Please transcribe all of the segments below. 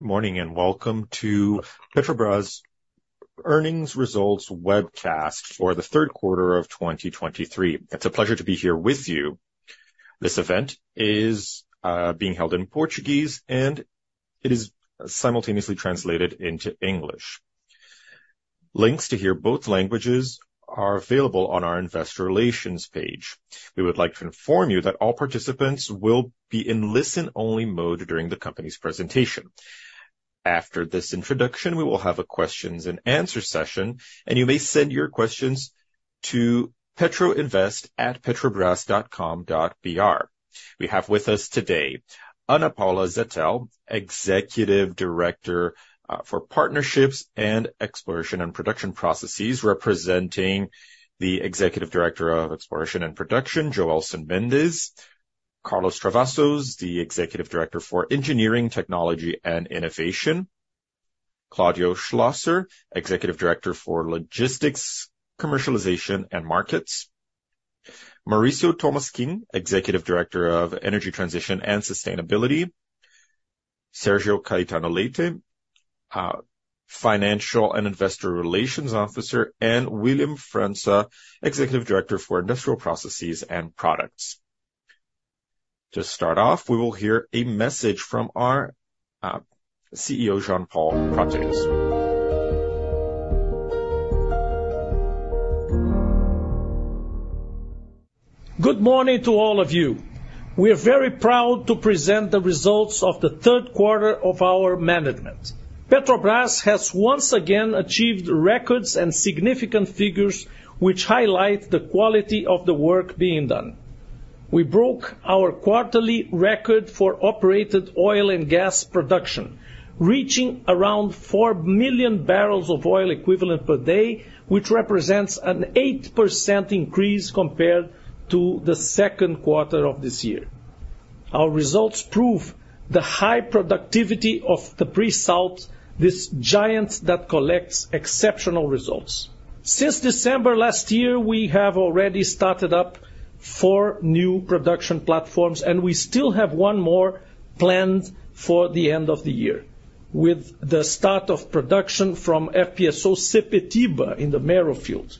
Good morning, and welcome to Petrobras Earnings Results Webcast for the third quarter of 2023. It's a pleasure to be here with you. This event is being held in Portuguese, and it is simultaneously translated into English. Links to hear both languages are available on our investor relations page. We would like to inform you that all participants will be in listen-only mode during the company's presentation. After this introduction, we will have a questions-and-answer session, and you may send your questions to petroinvest@petrobras.com.br. We have with us today, Ana Paula Zettel, Executive Director for Partnerships and Exploration and Production Processes, representing the Executive Director of Exploration and Production, Joelson Mendes. Carlos Travassos, the Executive Director for Engineering, Technology and Innovation. Claudio Schlosser, Executive Director for Logistics, Commercialization and Markets. Mauricio Tolmasquim, Executive Director of Energy Transition and Sustainability. Sergio Caetano Leite, Financial and Investor Relations Officer, and William França, Executive Director for Industrial Processes and Products. To start off, we will hear a message from our CEO, Jean Paul Prates. Good morning to all of you. We are very proud to present the results of the third quarter of our management. Petrobras has once again achieved records and significant figures, which highlight the quality of the work being done. We broke our quarterly record for operated oil and gas production, reaching around four million barrels of oil equivalent per day, which represents an 8% increase compared to the second quarter of this year. Our results prove the high productivity of the Pre-salt, this giant that collects exceptional results. Since December last year, we have already started up four new production platforms, and we still have one more planned for the end of the year, with the start of production from FPSO Sepetiba in the Mero field.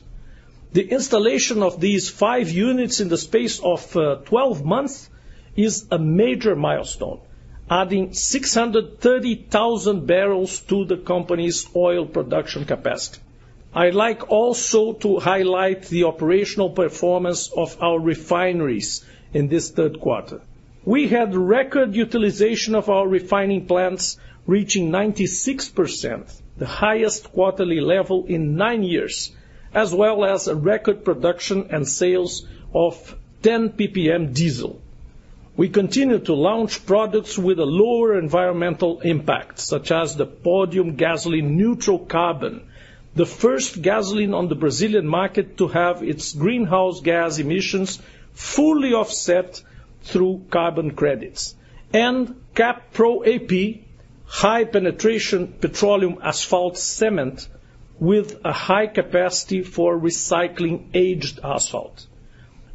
The installation of these five units in the space of 12 months is a major milestone, adding 630,000 barrels to the company's oil production capacity. I'd like also to highlight the operational performance of our refineries in this third quarter. We had record utilization of our refining plants, reaching 96%, the highest quarterly level in nine years, as well as a record production and sales of 10 PPM diesel. We continue to launch products with a lower environmental impact, such as the Podium Gasoline Neutral Carbon, the first gasoline on the Brazilian market to have its greenhouse gas emissions fully offset through carbon credits. And CAP ProAP, high penetration petroleum asphalt cement with a high capacity for recycling aged asphalt.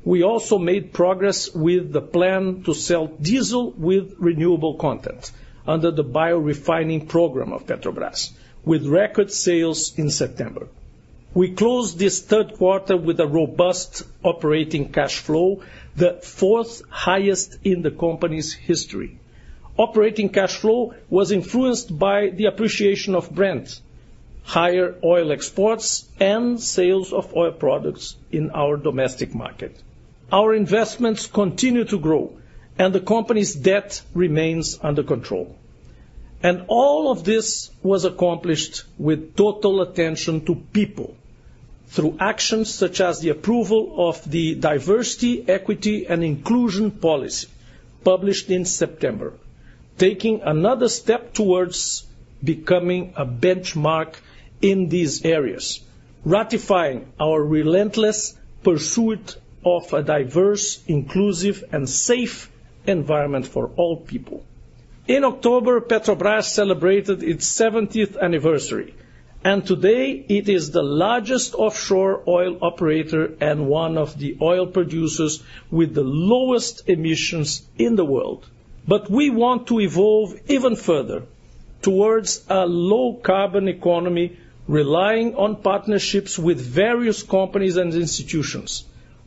We also made progress with the plan to sell diesel with renewable content under the biorefining program of Petrobras, with record sales in September. We closed this third quarter with a robust operating cash flow, the fourth highest in the company's history. Operating cash flow was influenced by the appreciation of Brent, higher oil exports and sales of oil products in our domestic market. Our investments continue to grow, and the company's debt remains under control. All of this was accomplished with total attention to people through actions such as the approval of the Diversity, Equity, and Inclusion Policy, published in September, taking another step towards becoming a benchmark in these areas, ratifying our relentless pursuit of a diverse, inclusive, and safe environment for all people. In October, Petrobras celebrated its seventieth anniversary, and today it is the largest offshore oil operator and one of the oil producers with the lowest emissions in the world. But we want to evolve even further towards a low carbon economy, relying on partnerships with various companies and institutions.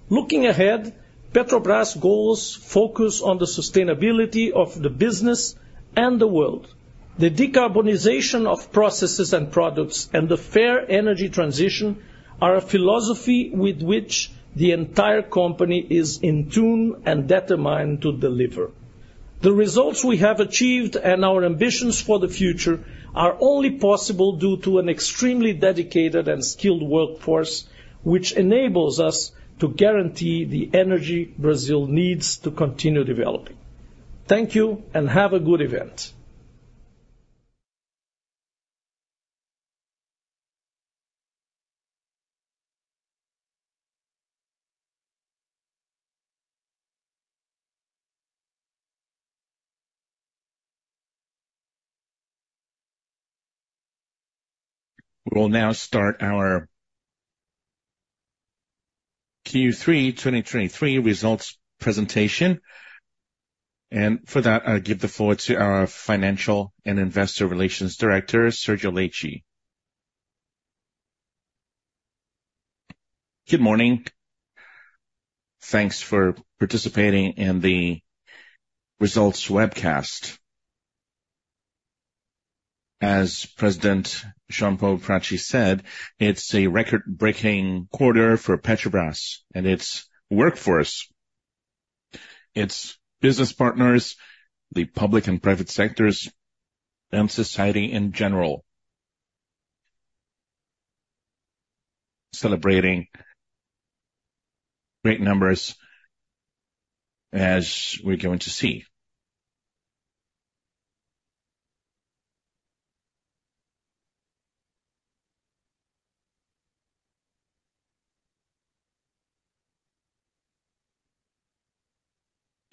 Looking ahead, Petrobras goals focus on the sustainability of the business and the world. The decarbonization of processes and products, and the fair Energy Transition, are a philosophy with which the entire company is in tune and determined to deliver. The results we have achieved and our ambitions for the future are only possible due to an extremely dedicated and skilled workforce, which enables us to guarantee the energy Brazil needs to continue developing. Thank you and have a good event. We will now start our. Q3 2023 results presentation. For that, I'll give the floor to our Financial and Investor Relations Director, Sergio Leite. Good morning. Thanks for participating in the results webcast. As President Jean Paul Prates said, it's a record-breaking quarter for Petrobras and its workforce, its business partners, the public and private sectors, and society in general. Celebrating great numbers as we're going to see.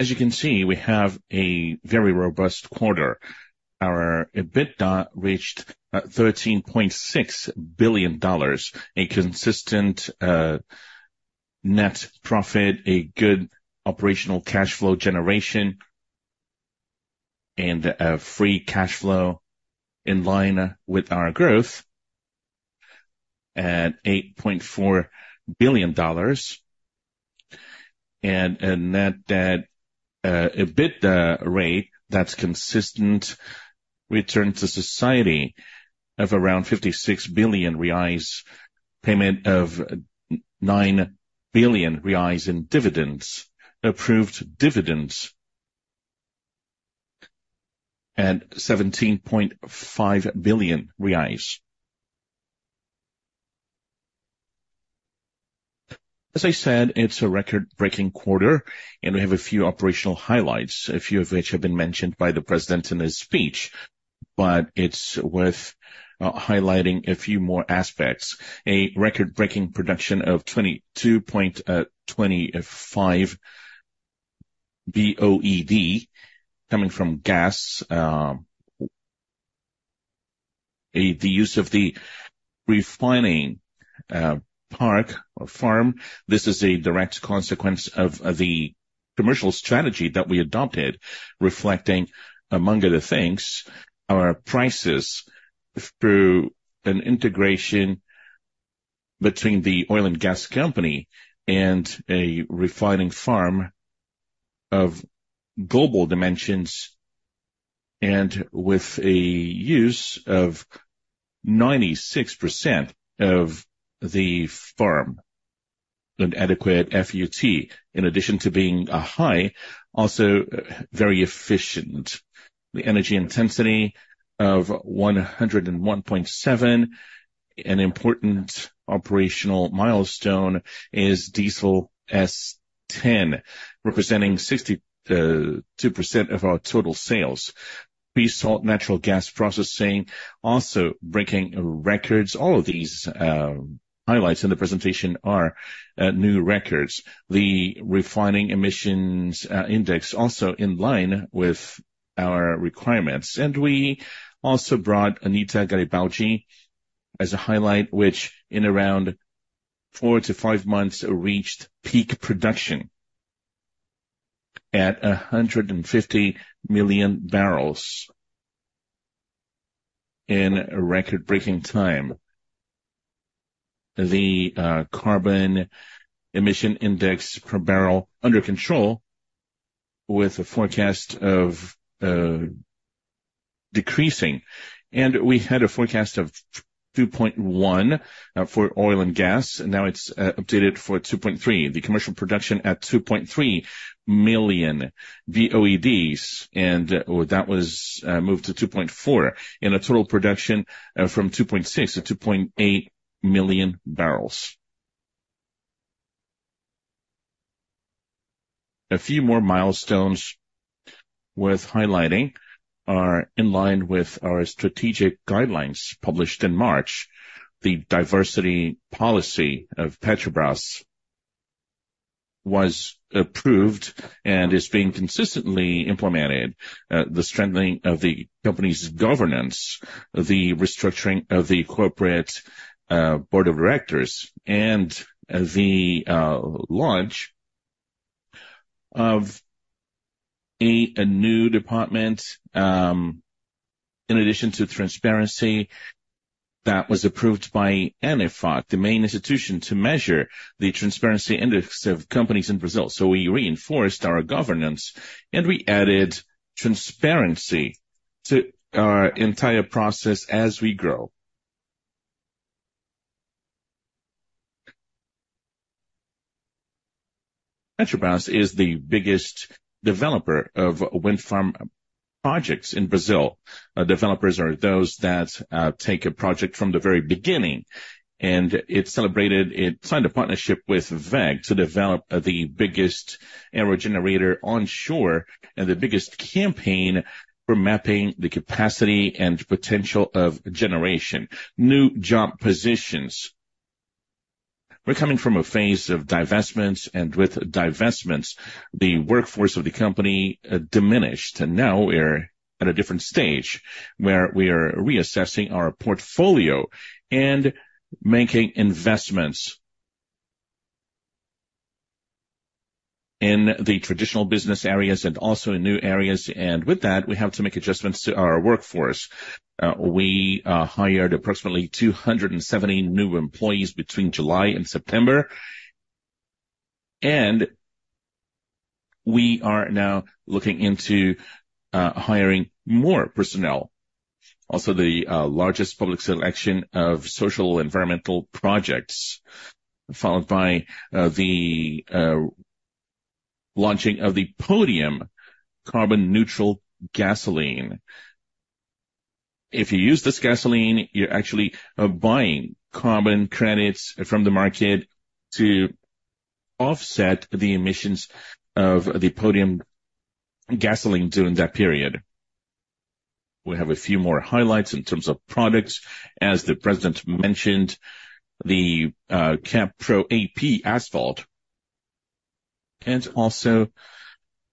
As you can see, we have a very robust quarter. Our EBITDA reached $13.6 billion, a consistent net profit, a good operational cash flow generation, and a free cash flow in line with our growth at $8.4 billion. And a net debt EBITDA rate that's consistent return to society of around 56 billion reais, payment of 9 billion reais in dividends. Approved dividends at BRL 17.5 billion. As I said, it's a record-breaking quarter, and we have a few operational highlights, a few of which have been mentioned by the President in his speech, but it's worth highlighting a few more aspects. A record-breaking production of 22.25 BOED coming from gas, the use of the refining park or farm. This is a direct consequence of the commercial strategy that we adopted, reflecting, among other things, our prices through an integration between the oil and gas company and a refining farm of global dimensions, and with a use of 96% of the farm, an adequate FUT, in addition to being a high, also very efficient. The energy intensity of 101.7. An important operational milestone is Diesel S-10, representing 62% of our total sales. Pre-salt natural gas processing, also breaking records. All of these highlights in the presentation are new records. The refining emissions index also in line with our requirements. And we also brought Anita Garibaldi as a highlight, which in around four to five months, reached peak production at 150 million barrels in a record-breaking time. The carbon emission index per barrel under control with a forecast of decreasing, and we had a forecast of 2.1 for oil and gas, and now it's updated for 2.3. The commercial production at 2.3 million BOEDs, and that was moved to 2.4, in a total production from 2.6 to 2.8 million barrels. A few more milestones worth highlighting are in line with our strategic guidelines, published in March. The diversity policy of Petrobras was approved and is being consistently implemented. The strengthening of the company's governance, the restructuring of the corporate board of directors, and the launch of a new department, in addition to transparency, that was approved by NIFO, the main institution to measure the transparency index of companies in Brazil. So we reinforced our governance, and we added transparency to our entire process as we grow. Petrobras is the biggest developer of wind farm projects in Brazil. Developers are those that take a project from the very beginning, and It signed a partnership with WEG to develop the biggest aerogenerator onshore and the biggest campaign for mapping the capacity and potential of generation. New job positions. We're coming from a phase of divestments, and with divestments, the workforce of the company diminished, and now we're. at a different stage, where we are reassessing our portfolio and making investments. In the traditional business areas and also in new areas, and with that, we have to make adjustments to our workforce. We hired approximately 270 new employees between July and September, and we are now looking into hiring more personnel. Also, the largest public selection of social environmental projects, followed by the launching of the Podium carbon-neutral gasoline. If you use this gasoline, you're actually buying carbon credits from the market to offset the emissions of the Podium gasoline during that period. We have a few more highlights in terms of products. As the president mentioned, the CAP ProAP asphalt, and also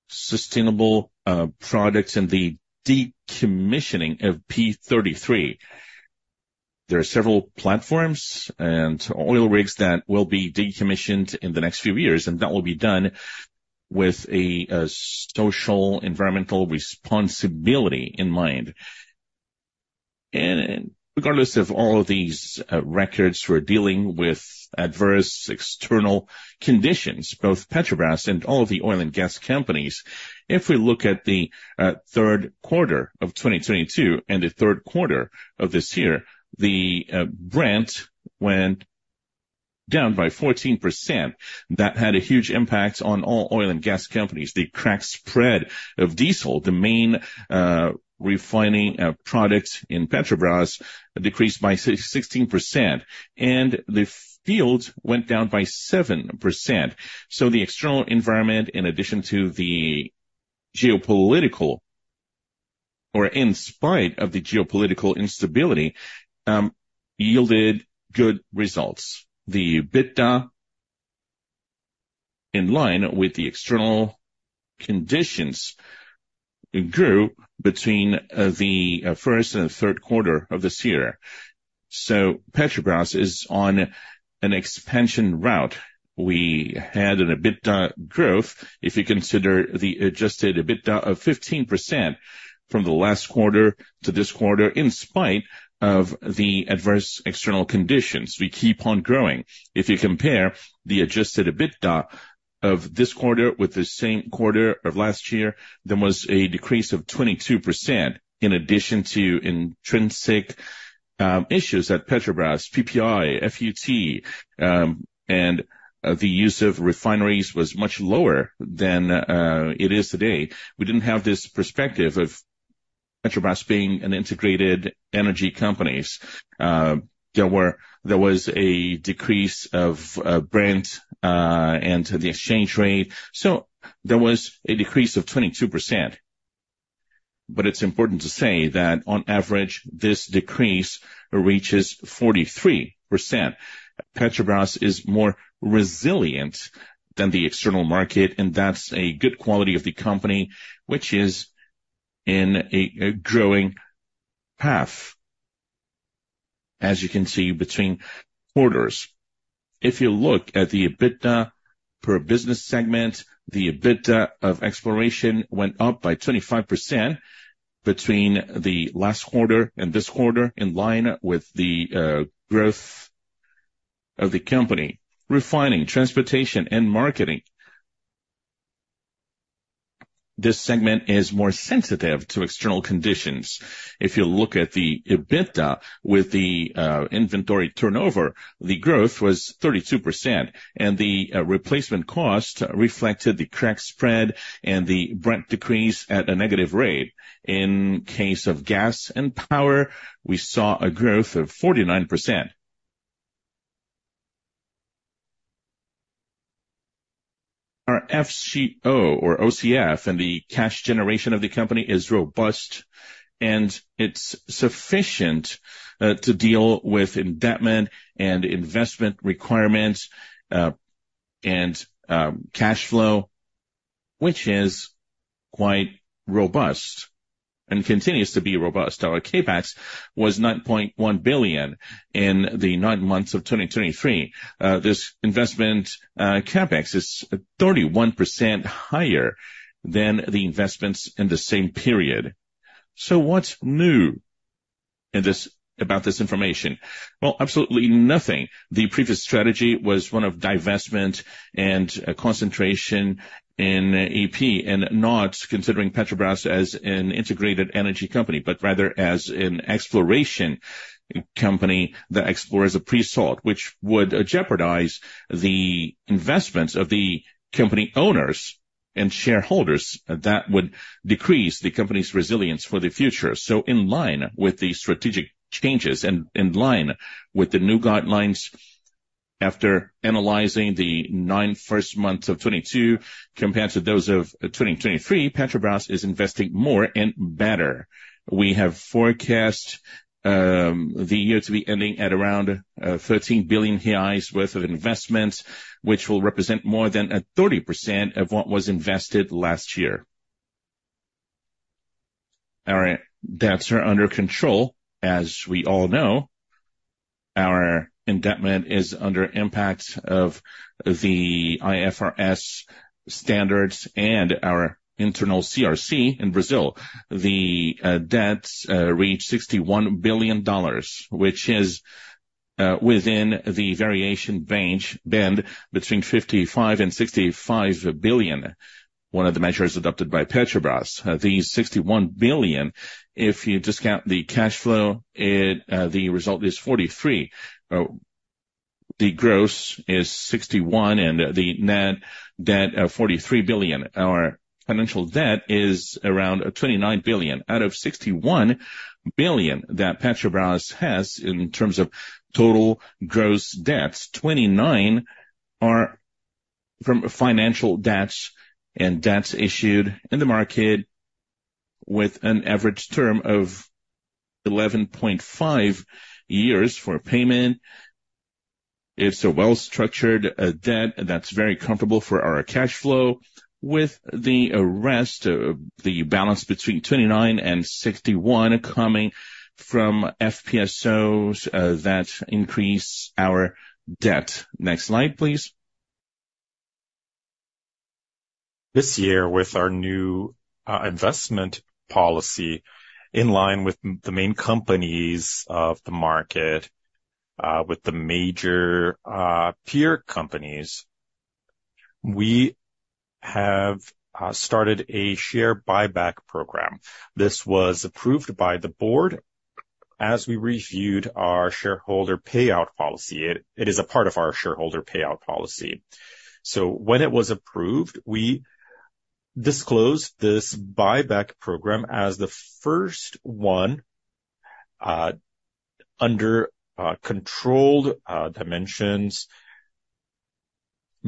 sustainable products and the decommissioning of P-33. There are several platforms and oil rigs that will be decommissioned in the next few years, and that will be done with a social environmental responsibility in mind. Regardless of all of these records, we're dealing with adverse external conditions, both Petrobras and all the oil and gas companies. If we look at the third quarter of 2022 and the third quarter of this year, the Brent went down by 14%. That had a huge impact on all oil and gas companies. The crack spread of diesel, the main refining product in Petrobras, decreased by 16%, and the field went down by 7%. The external environment, in addition to the geopolitical, or in spite of the geopolitical instability, yielded good results. The EBITDA, in line with the external conditions, grew between the first and third quarter of this year. So Petrobras is on an expansion route. We had an EBITDA growth. If you consider the adjusted EBITDA of 15% from the last quarter to this quarter, in spite of the adverse external conditions, we keep on growing. If you compare the adjusted EBITDA of this quarter with the same quarter of last year, there was a decrease of 22%, in addition to intrinsic issues at Petrobras, PPI, FUT, and the use of refineries was much lower than it is today. We didn't have this perspective of Petrobras being an integrated energy companies. There was a decrease of Brent and to the exchange rate. So there was a decrease of 22%. But it's important to say that on average, this decrease reaches 43%. Petrobras is more resilient than the external market, and that's a good quality of the company, which is in a growing path, as you can see between quarters. If you look at the EBITDA per business segment, the EBITDA of exploration went up by 25% between the last quarter and this quarter, in line with the growth of the company. Refining, transportation, and marketing. This segment is more sensitive to external conditions. If you look at the EBITDA with the inventory turnover, the growth was 32%, and the replacement cost reflected the crack spread and the Brent decrease at a negative rate. In case of gas and power, we saw a growth of 49%. Our FCO or OCF, and the cash generation of the company is robust, and it's sufficient to deal with indebtment and investment requirements, and cash flow, which is quite robust and continues to be robust. Our CapEx was $9.1 billion in the nine months of 2023. This investment, CapEx, is 31% higher than the investments in the same period. So what's new in this, about this information? Well, absolutely nothing. The previous strategy was one of divestment and concentration in AP, and not considering Petrobras as an integrated energy company, but rather as an exploration company that explores a pre-salt, which would jeopardize the investments of the company owners and shareholders. That would decrease the company's resilience for the future. So in line with the strategic changes and in line with the new guidelines, after analyzing the nine first months of 2022 compared to those of 2023, Petrobras is investing more and better. We have forecast the year to be ending at around 13 billion reais worth of investments, which will represent more than 30% of what was invested last year. All right, debts are under control. As we all know, our indebtedness is under impact of the IFRS standards and our internal CPC in Brazil. The debts reach $61 billion, which is within the variation range, band between $55 billion and $65 billion. One of the measures adopted by Petrobras, the $61 billion, if you discount the cash flow, the result is $43 billion. The gross is $61 billion and the net debt $43 billion. Our financial debt is around $29 billion. Out of $61 billion that Petrobras has in terms of total gross debts, $29 billion are from financial debts and debts issued in the market with an average term of 11.5 years for payment. It's a well-structured debt that's very comfortable for our cash flow, with the rest, the balance between $29 billion and $61 billion coming from FPSOs that increase our debt. Next slide, please. This year, with our new investment policy, in line with the main companies of the market, with the major peer companies, we have started a share buyback program. This was approved by the board as we reviewed our shareholder payout policy. It is a part of our shareholder payout policy. So when it was approved, we disclosed this buyback program as the first one under controlled dimensions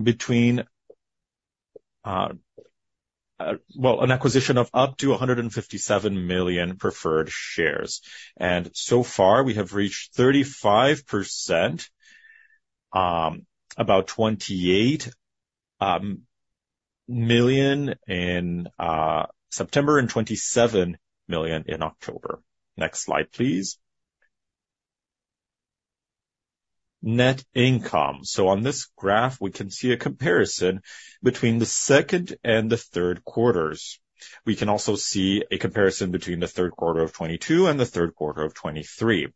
between well an acquisition of up to 157 million preferred shares, and so far we have reached 35%, about 28 million in September, and 27 million in October. Next slide, please. Net income. So on this graph, we can see a comparison between the second and the third quarters. We can also see a comparison between the third quarter of 2022 and the third quarter of 2023.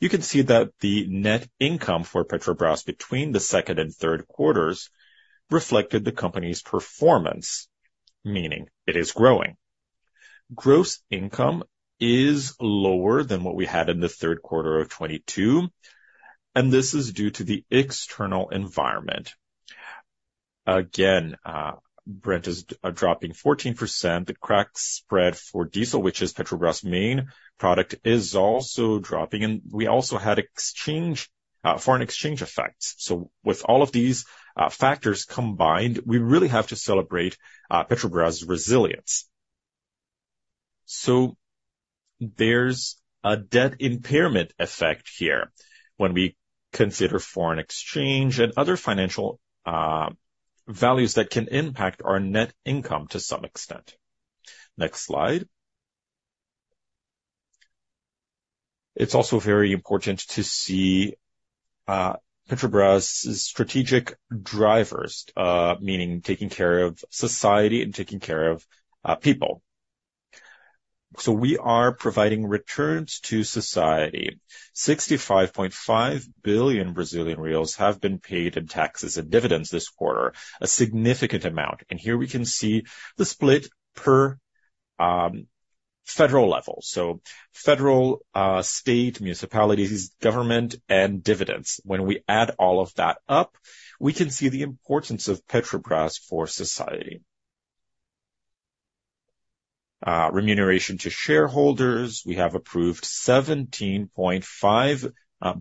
You can see that the net income for Petrobras between the second and third quarters reflected the company's performance, meaning it is growing. Gross income is lower than what we had in the third quarter of 2022, and this is due to the external environment. Again, Brent is dropping 14%. The crack spread for diesel, which is Petrobras' main product, is also dropping, and we also had exchange... foreign exchange effects. So with all of these factors combined, we really have to celebrate Petrobras' resilience. So there's a debt impairment effect here when we consider foreign exchange and other financial values that can impact our net income to some extent. Next slide. It's also very important to see Petrobras' strategic drivers, meaning taking care of society and taking care of people. So we are providing returns to society. 65.5 billion Brazilian reais have been paid in taxes and dividends this quarter, a significant amount, and here we can see the split per federal level. So federal, state, municipalities, government, and dividends. When we add all of that up, we can see the importance of Petrobras for society. Remuneration to shareholders. We have approved 17.5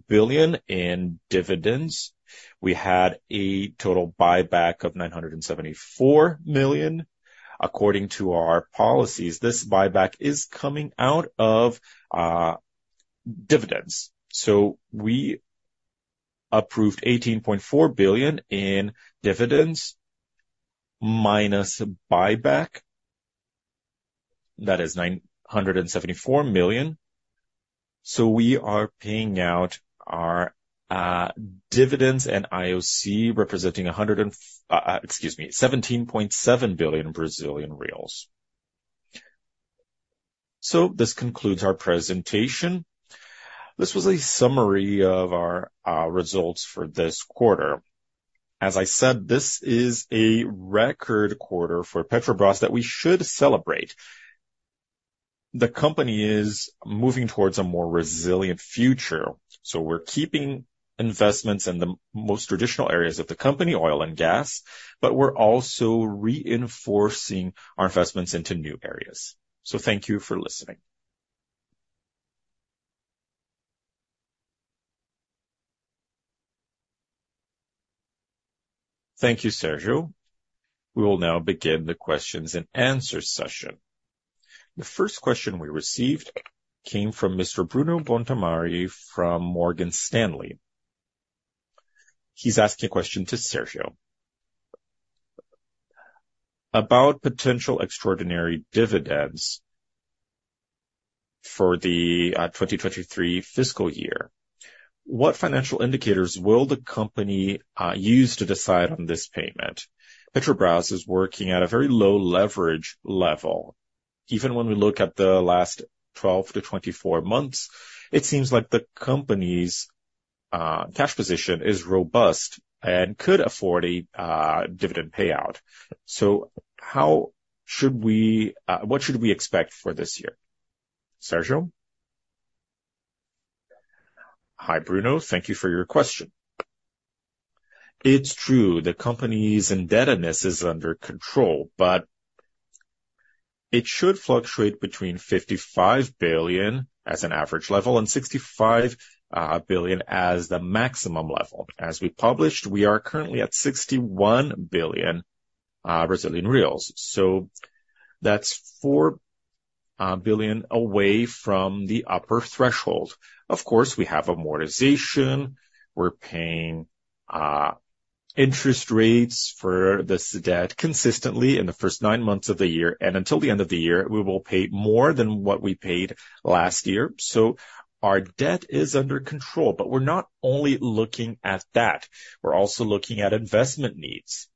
billion in dividends. We had a total buyback of 974 million. According to our policies, this buyback is coming out of dividends. So we approved 18.4 billion in dividends, minus buyback, that is 974 million. So we are paying out our dividends and IOC, representing 17.7 billion Brazilian reals. So this concludes our presentation. This was a summary of our results for this quarter. As I said, this is a record quarter for Petrobras that we should celebrate. The company is moving towards a more resilient future, so we're keeping investments in the most traditional areas of the company, oil and gas, but we're also reinforcing our investments into new areas. So thank you for listening. Thank you, Sergio. We will now begin the questions-and-answer session. The first question we received came from Mr. Bruno Montanari from Morgan Stanley. He's asking a question to Sergio. About potential extraordinary dividends for the 2023 fiscal year, what financial indicators will the company use to decide on this payment? Petrobras is working at a very low leverage level. Even when we look at the last 12-24 months, it seems like the company's cash position is robust and could afford a dividend payout. So how should we. What should we expect for this year? Sergio? Hi, Bruno. Thank you for your question. It's true, the company's indebtedness is under control, but it should fluctuate between 55 billion as an average level and 65 billion as the maximum level. As we published, we are currently at 61 billion Brazilian reais. So that's $4 billion away from the upper threshold. Of course, we have amortization. We're paying interest rates for this debt consistently in the first nine months of the year, and until the end of the year, we will pay more than what we paid last year. So our debt is under control, but we're not only looking at that, we're also looking at investment needs.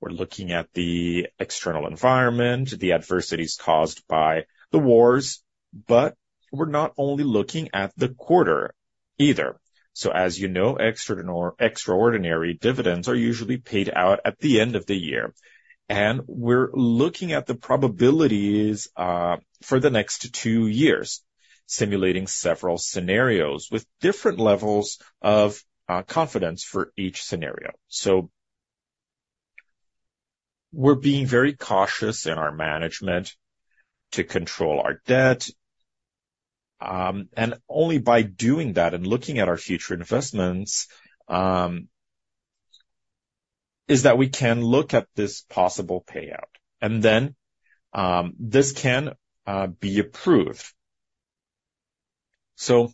We're looking at the external environment, the adversities caused by the wars, but we're not only looking at the quarter either. So, as you know, extraordinary dividends are usually paid out at the end of the year, and we're looking at the probabilities for the next two years, simulating several scenarios with different levels of confidence for each scenario. So we're being very cautious in our management to control our debt, and only by doing that and looking at our future investments, is that we can look at this possible payout, and then, this can be approved. So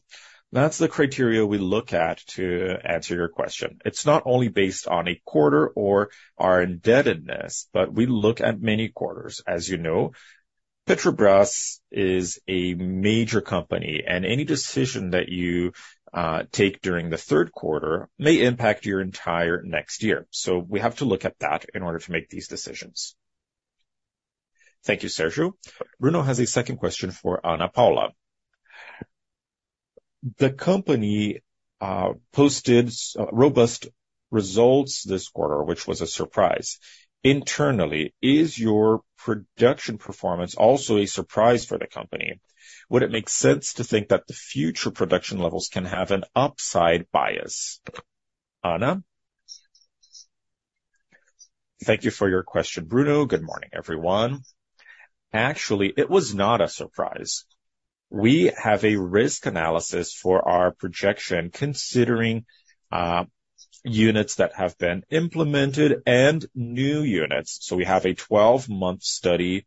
that's the criteria we look at to answer your question. It's not only based on a quarter or our indebtedness, but we look at many quarters. As you know, Petrobras is a major company, and any decision that you take during the third quarter may impact your entire next year. So we have to look at that in order to make these decisions. Thank you, Sergio. Bruno has a second question for Ana Paula. The company posted robust results this quarter, which was a surprise. Internally, is your production performance also a surprise for the company? Would it make sense to think that the future production levels can have an upside bias? Ana? Thank you for your question, Bruno. Good morning, everyone. Actually, it was not a surprise. We have a risk analysis for our projection, considering units that have been implemented and new units. We have a twelve-month study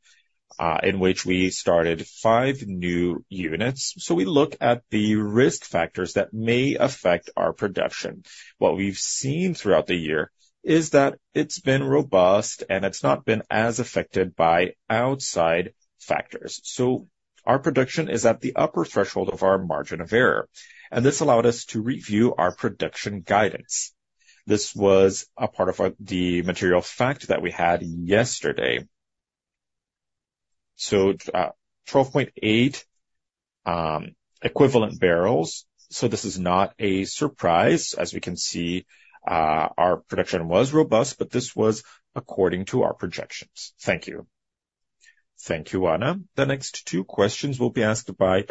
in which we started five new units. We look at the risk factors that may affect our production. What we've seen throughout the year is that it's been robust, and it's not been as affected by outside factors. Our production is at the upper threshold of our margin of error, and this allowed us to review our production guidance. This was a part of the material fact that we had yesterday. So 12.8 equivalent barrels. This is not a surprise. As we can see, our production was robust, but this was according to our projections. Thank you. Thank you, Ana. The next two questions will be asked by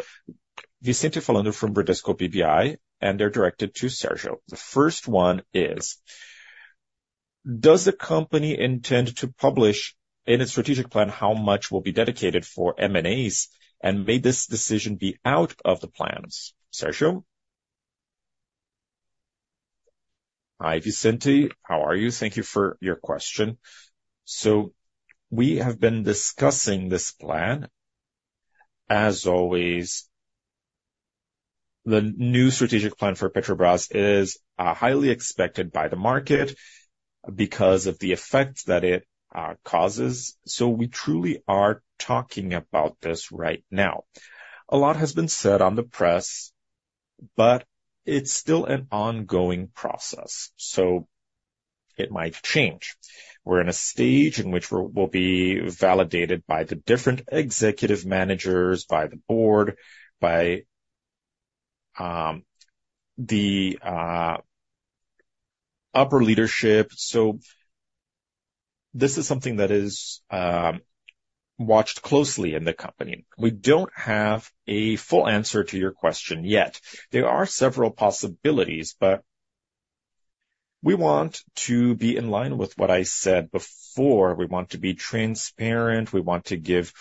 Vicente Falanga from Bradesco BBI, and they're directed to Sergio. The first one is: Does the company intend to publish in its strategic plan how much will be dedicated for M&As, and may this decision be out of the plans? Sergio? Hi, Vicente. How are you? Thank you for your question. So we have been discussing this plan. As always, the new strategic plan for Petrobras is highly expected by the market because of the effects that it causes. So we truly are talking about this right now. A lot has been said on the press, but it's still an ongoing process, so it might change. We're in a stage in which we'll be validated by the different executive managers, by the board, by the upper leadership. So this is something that is watched closely in the company. We don't have a full answer to your question yet. There are several possibilities, but we want to be in line with what I said before. We want to be transparent. We want to give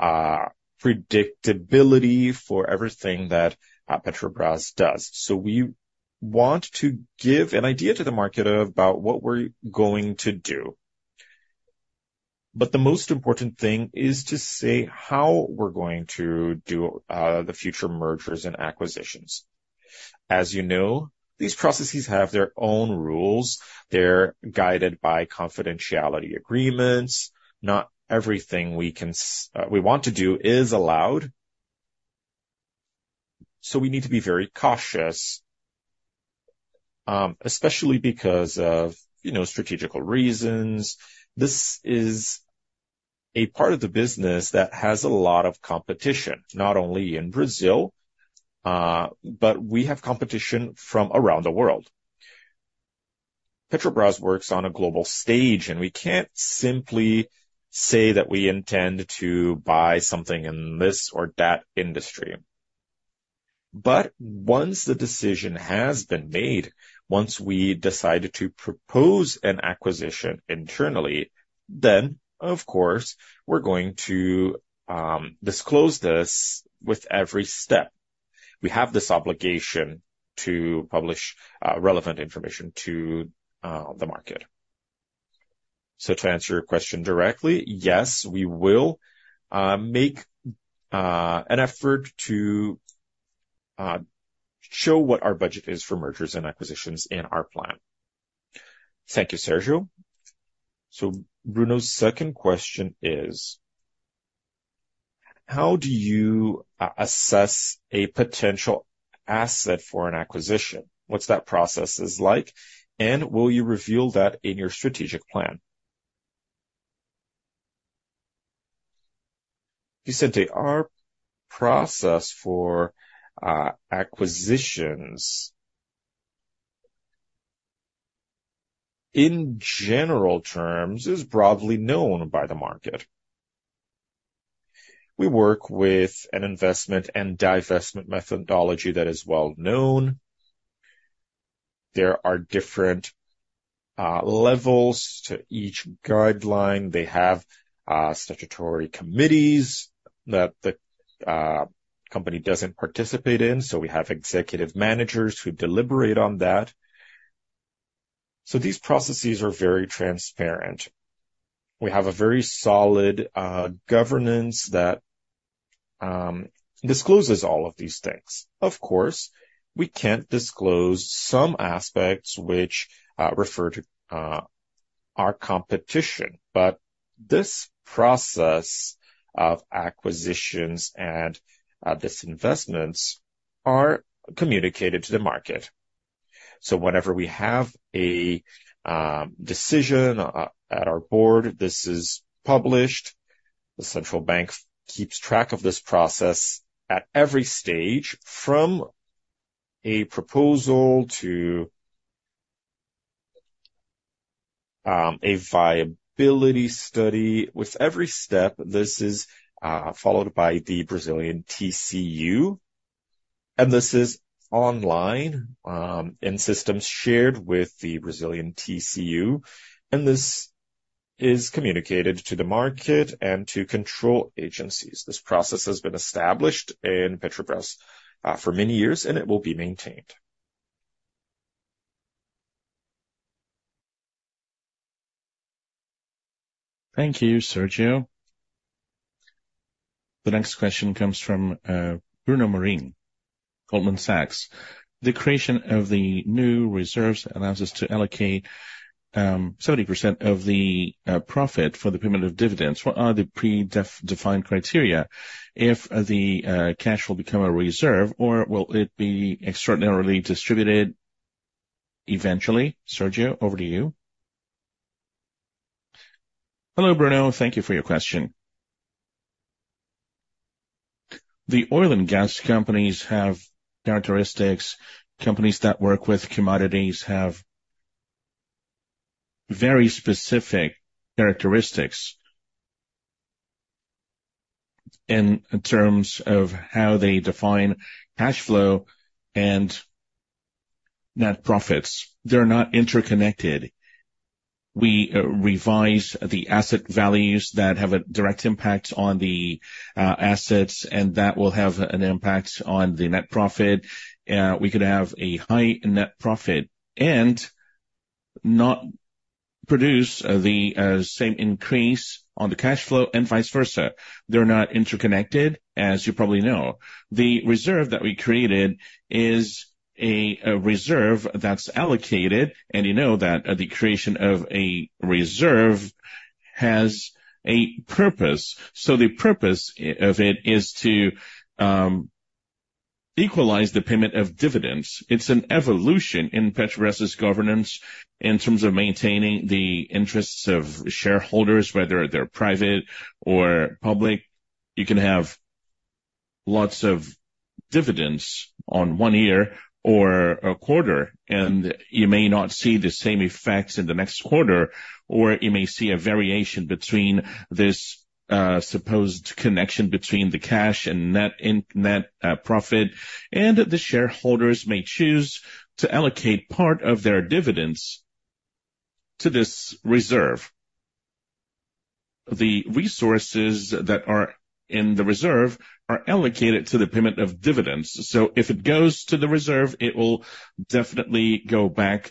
predictability for everything that Petrobras does. So we want to give an idea to the market about what we're going to do. But the most important thing is to say how we're going to do the future mergers and acquisitions. As you know, these processes have their own rules. They're guided by confidentiality agreements. Not everything we can we want to do is allowed, so we need to be very cautious, especially because of, you know, strategical reasons. This is a part of the business that has a lot of competition, not only in Brazil, but we have competition from around the world. Petrobras works on a global stage, and we can't simply say that we intend to buy something in this or that industry. But once the decision has been made, once we decide to propose an acquisition internally, then, of course, we're going to disclose this with every step. We have this obligation to publish relevant information to the market. So to answer your question directly, yes, we will make an effort to show what our budget is for mergers and acquisitions in our plan. Thank you, Sergio. So Vicente's second question is: How do you assess a potential asset for an acquisition? What's that process like, and will you reveal that in your strategic plan? Vicente, our process for acquisitions, in general terms, is broadly known by the market. We work with an investment and divestment methodology that is well known. There are different levels to each guideline. They have statutory committees that the company doesn't participate in, so we have executive managers who deliberate on that. So these processes are very transparent. We have a very solid governance that discloses all of these things. Of course, we can't disclose some aspects which refer to our competition, but this process of acquisitions and these investments are communicated to the market. So whenever we have a decision at our board, this is published. The central bank keeps track of this process at every stage, from a proposal to a viability study. With every step, this is followed by the Brazilian TCU, and this is online in systems shared with the Brazilian TCU, and this is communicated to the market and to control agencies. This process has been established in Petrobras for many years, and it will be maintained. Thank you, Sergio. The next question comes from Bruno Amorim, Goldman Sachs. The creation of the new reserves allows us to allocate 70% of the profit for the payment of dividends. What are the predefined criteria if the cash will become a reserve, or will it be extraordinarily distributed eventually? Sergio, over to you. Hello, Bruno. Thank you for your question. The oil and gas companies have characteristics. Companies that work with commodities have very specific characteristics in terms of how they define cash flow and net profits. They're not interconnected. We revise the asset values that have a direct impact on the assets, and that will have an impact on the net profit. We could have a high net profit and not produce the same increase on the cash flow and vice versa. They're not interconnected, as you probably know. The reserve that we created is a reserve that's allocated, and you know that the creation of a reserve has a purpose. So the purpose of it is to equalize the payment of dividends. It's an evolution in Petrobras' governance in terms of maintaining the interests of shareholders, whether they're private or public. You can have lots of dividends on one year or a quarter, and you may not see the same effects in the next quarter, or you may see a variation between this supposed connection between the cash and net, and net profit, and the shareholders may choose to allocate part of their dividends to this reserve. The resources that are- In the reserve are allocated to the payment of dividends. So if it goes to the reserve, it will definitely go back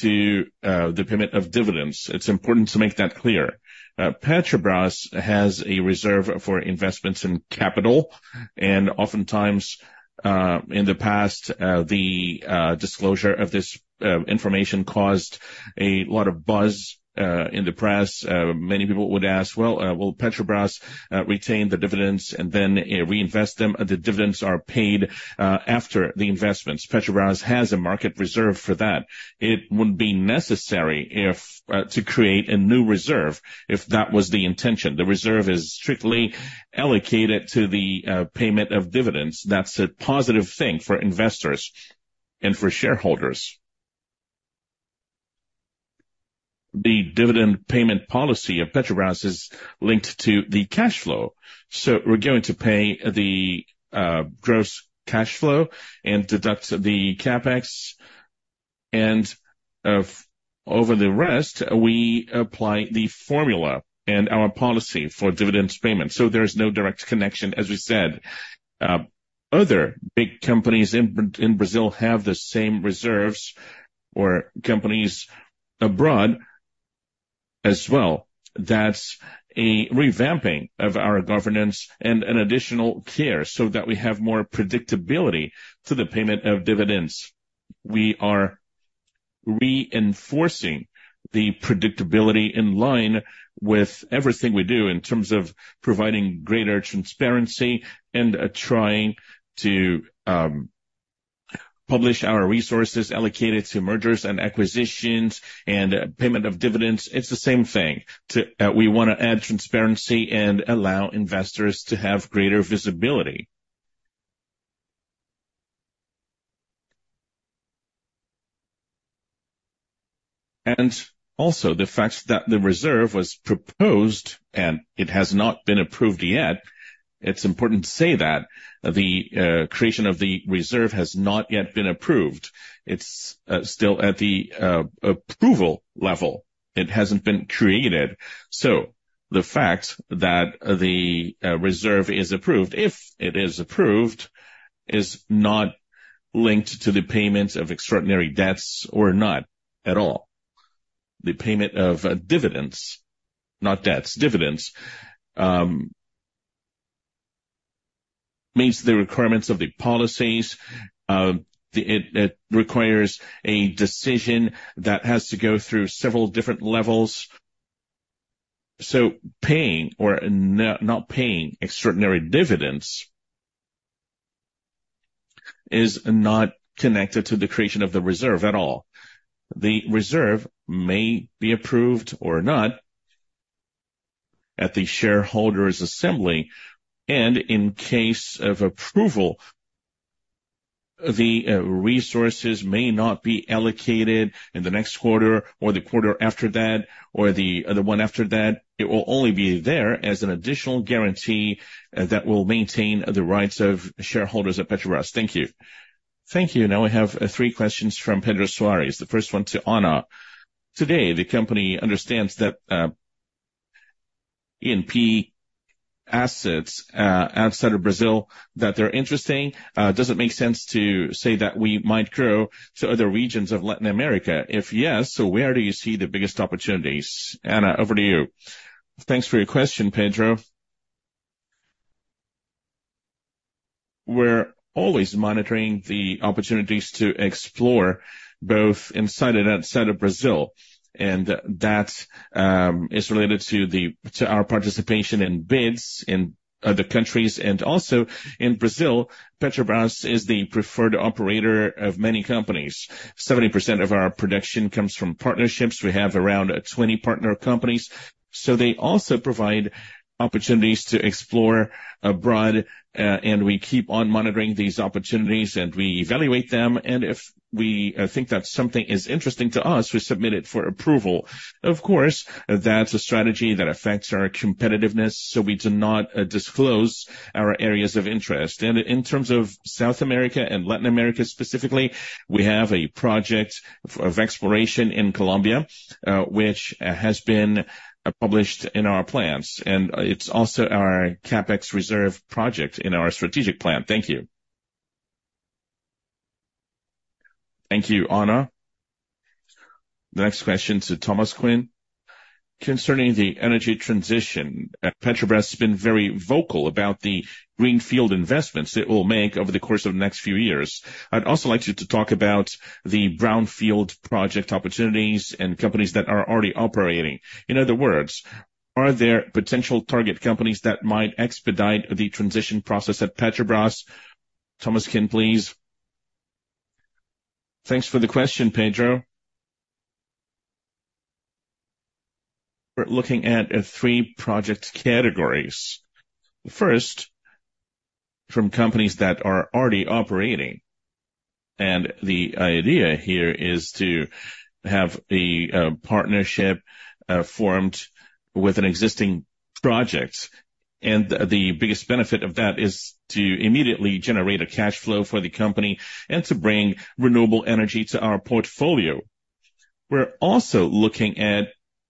to the payment of dividends. It's important to make that clear. Petrobras has a reserve for investments in capital, and oftentimes, in the past, the disclosure of this information caused a lot of buzz in the press. Many people would ask: "Well, will Petrobras retain the dividends and then reinvest them?" The dividends are paid after the investments. Petrobras has a market reserve for that. It would be necessary if to create a new reserve, if that was the intention. The reserve is strictly allocated to the payment of dividends. That's a positive thing for investors and for shareholders. The dividend payment policy of Petrobras is linked to the cash flow. So we're going to pay the gross cash flow and deduct the CapEx, and over the rest, we apply the formula and our policy for dividends payment. So there's no direct connection, as we said. Other big companies in Brazil have the same reserves or companies abroad as well. That's a revamping of our governance and an additional care so that we have more predictability to the payment of dividends. We are reinforcing the predictability in line with everything we do in terms of providing greater transparency and trying to publish our resources allocated to mergers and acquisitions and payment of dividends. It's the same thing. We want to add transparency and allow investors to have greater visibility. And also, the fact that the reserve was proposed, and it has not been approved yet. It's important to say that the creation of the reserve has not yet been approved. It's still at the approval level. It hasn't been created. So the fact that the reserve is approved, if it is approved, is not linked to the payments of extraordinary debts or not at all. The payment of dividends, not debts, dividends, meets the requirements of the policies. It requires a decision that has to go through several different levels. So paying or not, not paying extraordinary dividends is not connected to the creation of the reserve at all. The reserve may be approved or not at the shareholders assembly, and in case of approval, the resources may not be allocated in the next quarter or the quarter after that, or the one after that. It will only be there as an additional guarantee that will maintain the rights of shareholders at Petrobras. Thank you. Thank you. Now we have three questions from Pedro Soares. The first one to Ana: Today, the company understands that E&P assets outside of Brazil that they're interesting. Does it make sense to say that we might grow to other regions of Latin America? If yes, so where do you see the biggest opportunities? Ana, over to you. Thanks for your question, Pedro. We're always monitoring the opportunities to explore both inside and outside of Brazil, and that is related to the, to our participation in bids in other countries and also in Brazil. Petrobras is the preferred operator of many companies. 70% of our production comes from partnerships. We have around twenty partner companies, so they also provide opportunities to explore abroad, and we keep on monitoring these opportunities, and we evaluate them, and if we think that something is interesting to us, we submit it for approval. Of course, that's a strategy that affects our competitiveness, so we do not disclose our areas of interest. And in terms of South America and Latin America specifically, we have a project of exploration in Colombia, which has been published in our plans, and it's also our CapEx reserve project in our strategic plan. Thank you. Thank you, Ana. The next question to Tolmasquim: Concerning the Energy Transition, Petrobras has been very vocal about the greenfield investments it will make over the course of the next few years. I'd also like you to talk about the brownfield project opportunities and companies that are already operating. In other words, are there potential target companies that might expedite the transition process at Petrobras? Tolmasquim, please. Thanks for the question, Pedro. We're looking at three project categories. First, from companies that are already operating, and the idea here is to have a partnership formed with an existing project, and the biggest benefit of that is to immediately generate a cash flow for the company and to bring renewable energy to our portfolio. We're also looking at,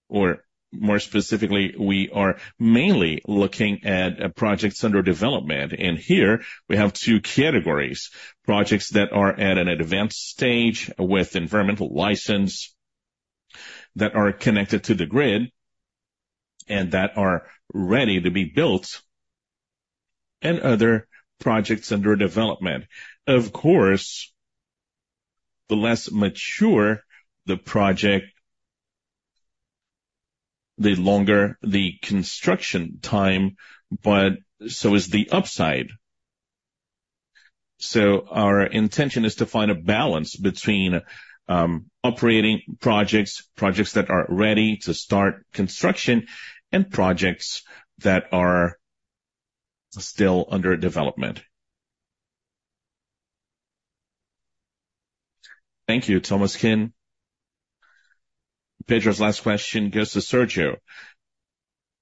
or more specifically, we are mainly looking at projects under development. Here we have two categories: projects that are at an advanced stage with environmental license, that are connected to the grid, and that are ready to be built, and other projects under development. Of course, the less mature the project, the longer the construction time, but so is the upside. Our intention is to find a balance between operating projects, projects that are ready to start construction, and projects that are still under development. Thank you, Tolmasquim. Pedro's last question goes to Sergio.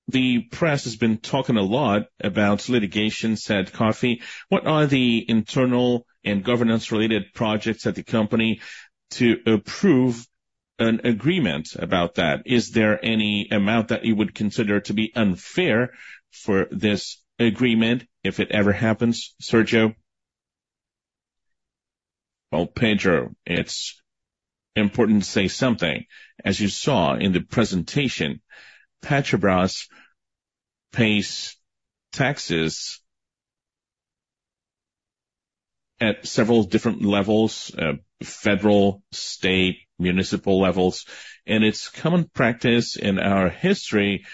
The press has been talking a lot about litigation, said CARF. What are the internal and governance-related projects at the company to approve an agreement about that? Is there any amount that you would consider to be unfair for this agreement, if it ever happens, Sergio? Well, Pedro, it's important to say something. As you saw in the presentation, Petrobras pays taxes at several different levels, federal, state, municipal levels, and it's common practice in our history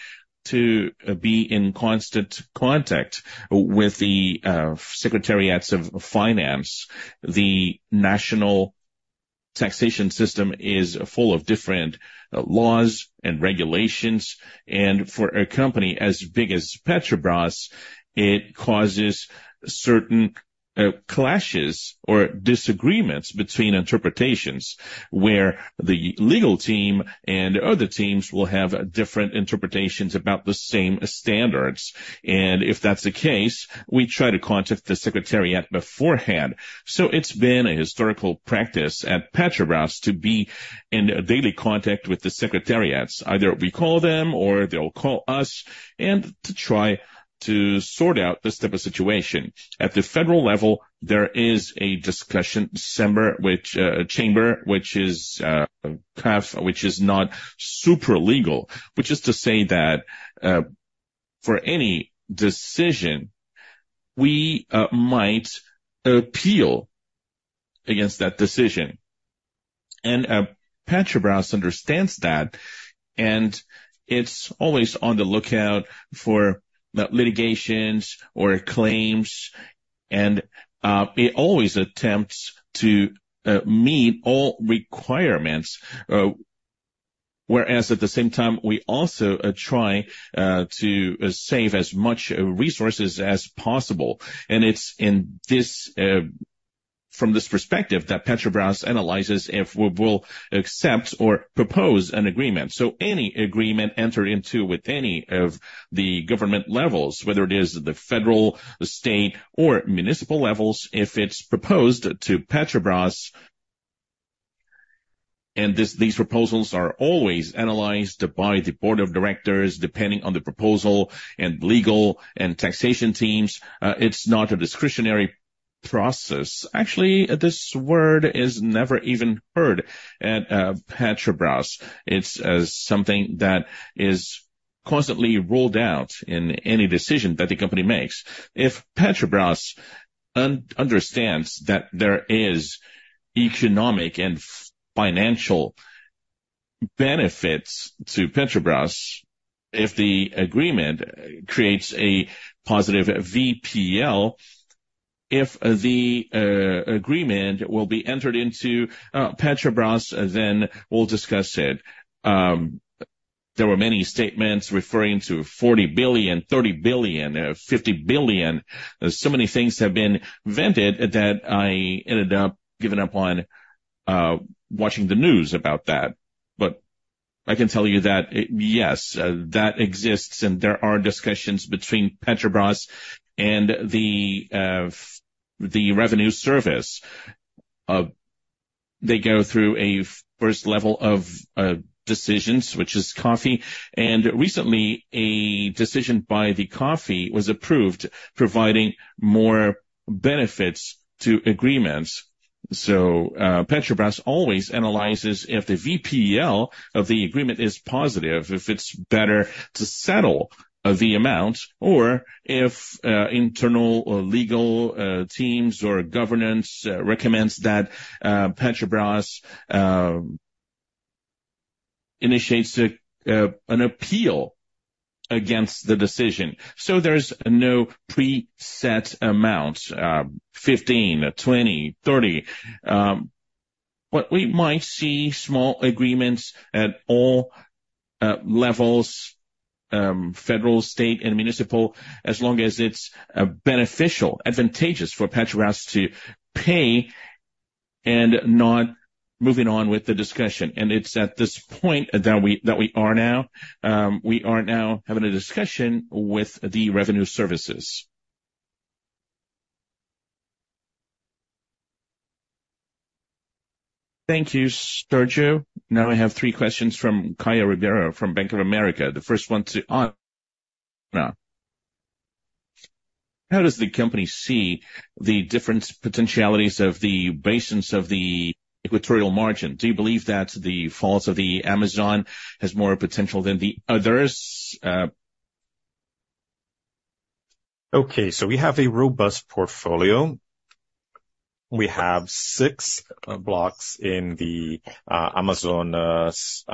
to be in constant contact with the secretariats of finance. The national taxation system is full of different laws and regulations, and for a company as big as Petrobras, it causes certain clashes or disagreements between interpretations, where the legal team and other teams will have different interpretations about the same standards. If that's the case, we try to contact the secretariat beforehand. It's been a historical practice at Petrobras to be in daily contact with the secretariats. Either we call them or they'll call us and to try to sort out this type of situation. At the federal level, there is a discussion, which chamber, which is CARF, which is not super legal, which is to say that for any decision, we might appeal against that decision. Petrobras understands that, and it's always on the lookout for litigations or claims, and it always attempts to meet all requirements, whereas at the same time, we also try to save as much resources as possible. It's in this from this perspective that Petrobras analyzes if we will accept or propose an agreement. So any agreement entered into with any of the government levels, whether it is the federal, the state, or municipal levels, if it's proposed to Petrobras, and these proposals are always analyzed by the board of directors, depending on the proposal, and legal and taxation teams, it's not a discretionary process. Actually, this word is never even heard at Petrobras. It's something that is constantly ruled out in any decision that the company makes. If Petrobras understands that there is economic and financial benefits to Petrobras, if the agreement creates a positive VPL, if the agreement will be entered into Petrobras, then we'll discuss it. There were many statements referring to 40 billion, 30 billion, 50 billion. So many things have been vented that I ended up giving up on watching the news about that. But I can tell you that, yes, that exists, and there are discussions between Petrobras and the, the Revenue Service. They go through a first level of decisions, which is CARF, and recently a decision by the CARF was approved, providing more benefits to agreements. So, Petrobras always analyzes if the VPL of the agreement is positive, if it's better to settle the amount, or if internal or legal teams or governance recommends that Petrobras initiates an appeal against the decision. So there's no preset amount, 15, 20, 30. But we might see small agreements at all levels, federal, state, and municipal, as long as it's beneficial, advantageous for Petrobras to pay and not moving on with the discussion. It's at this point that we, that we are now, we are now having a discussion with the Revenue Services. Thank you, Sergio. Now I have three questions from Caio Ribeiro from Bank of America. The first one to Ana: How does the company see the different potentialities of the basins of the Equatorial Margins? Do you believe that the Foz do Amazonas has more potential than the others? Okay, so we have a robust portfolio. We have six blocks in the Amazonas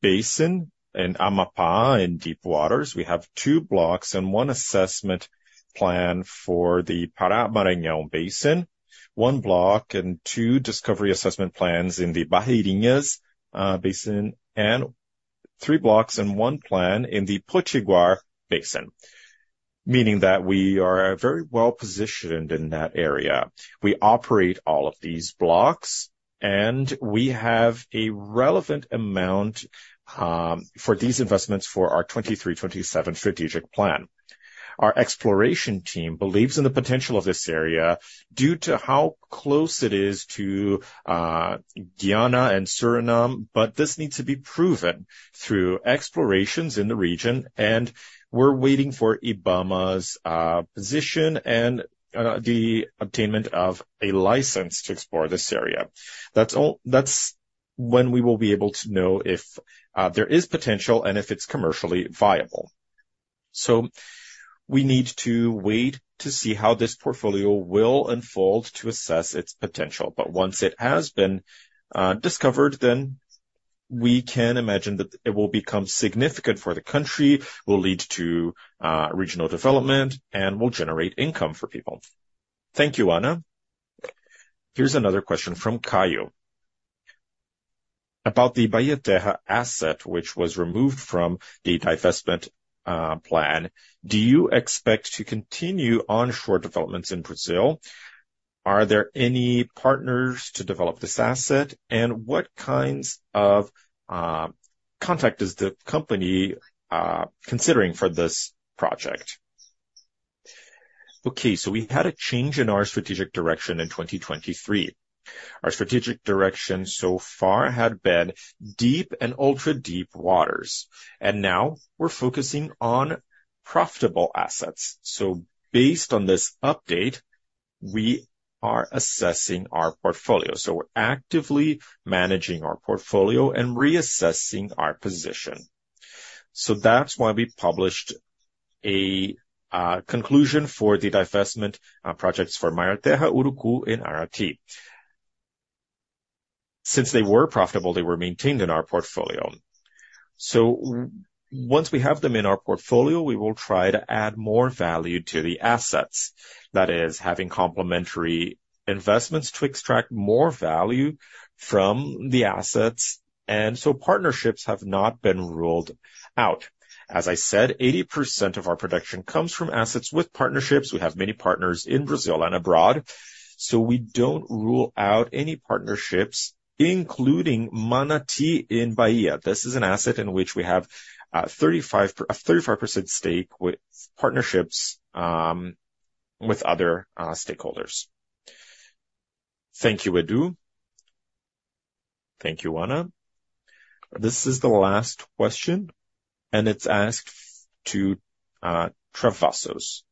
Basin, in Amapá, in deep waters. We have two blocks and one assessment plan for the Pará-Maranhão Basin, one block and two discovery assessment plans in the Barreirinhas Basin, and three blocks and one plan in the Potiguar Basin, meaning that we are very well positioned in that area. We operate all of these blocks, and we have a relevant amount for these investments for our 2023-2027 strategic plan. Our exploration team believes in the potential of this area due to how close it is to Guyana and Suriname, but this needs to be proven through explorations in the region, and we're waiting for IBAMA's position and the obtainment of a license to explore this area. That's when we will be able to know if there is potential and if it's commercially viable. So we need to wait to see how this portfolio will unfold to assess its potential. But once it has been discovered, then we can imagine that it will become significant for the country, will lead to regional development, and will generate income for people. Thank you, Ana. Here's another question from Caio: About the Bahia Terra asset, which was removed from the divestment plan, do you expect to continue onshore developments in Brazil? Are there any partners to develop this asset? And what kinds of contract is the company considering for this project? Okay, so we had a change in our strategic direction in 2023. Our strategic direction so far had been deep and ultra-deep waters, and now we're focusing on profitable assets. Based on this update, we are assessing our portfolio. We're actively managing our portfolio and reassessing our position. That's why we published a conclusion for the divestment projects for Bahia Terra, Urucu, and Manati. Since they were profitable, they were maintained in our portfolio. Once we have them in our portfolio, we will try to add more value to the assets. That is, having complementary investments to extract more value from the assets, and so partnerships have not been ruled out. As I said, 80% of our production comes from assets with partnerships. We have many partners in Brazil and abroad, so we don't rule out any partnerships, including Manati in Bahia. This is an asset in which we have 35, a 35% stake with partnerships with other stakeholders. Thank you, Edu. Thank you, Ana. This is the last question, and it's asked to Travassos.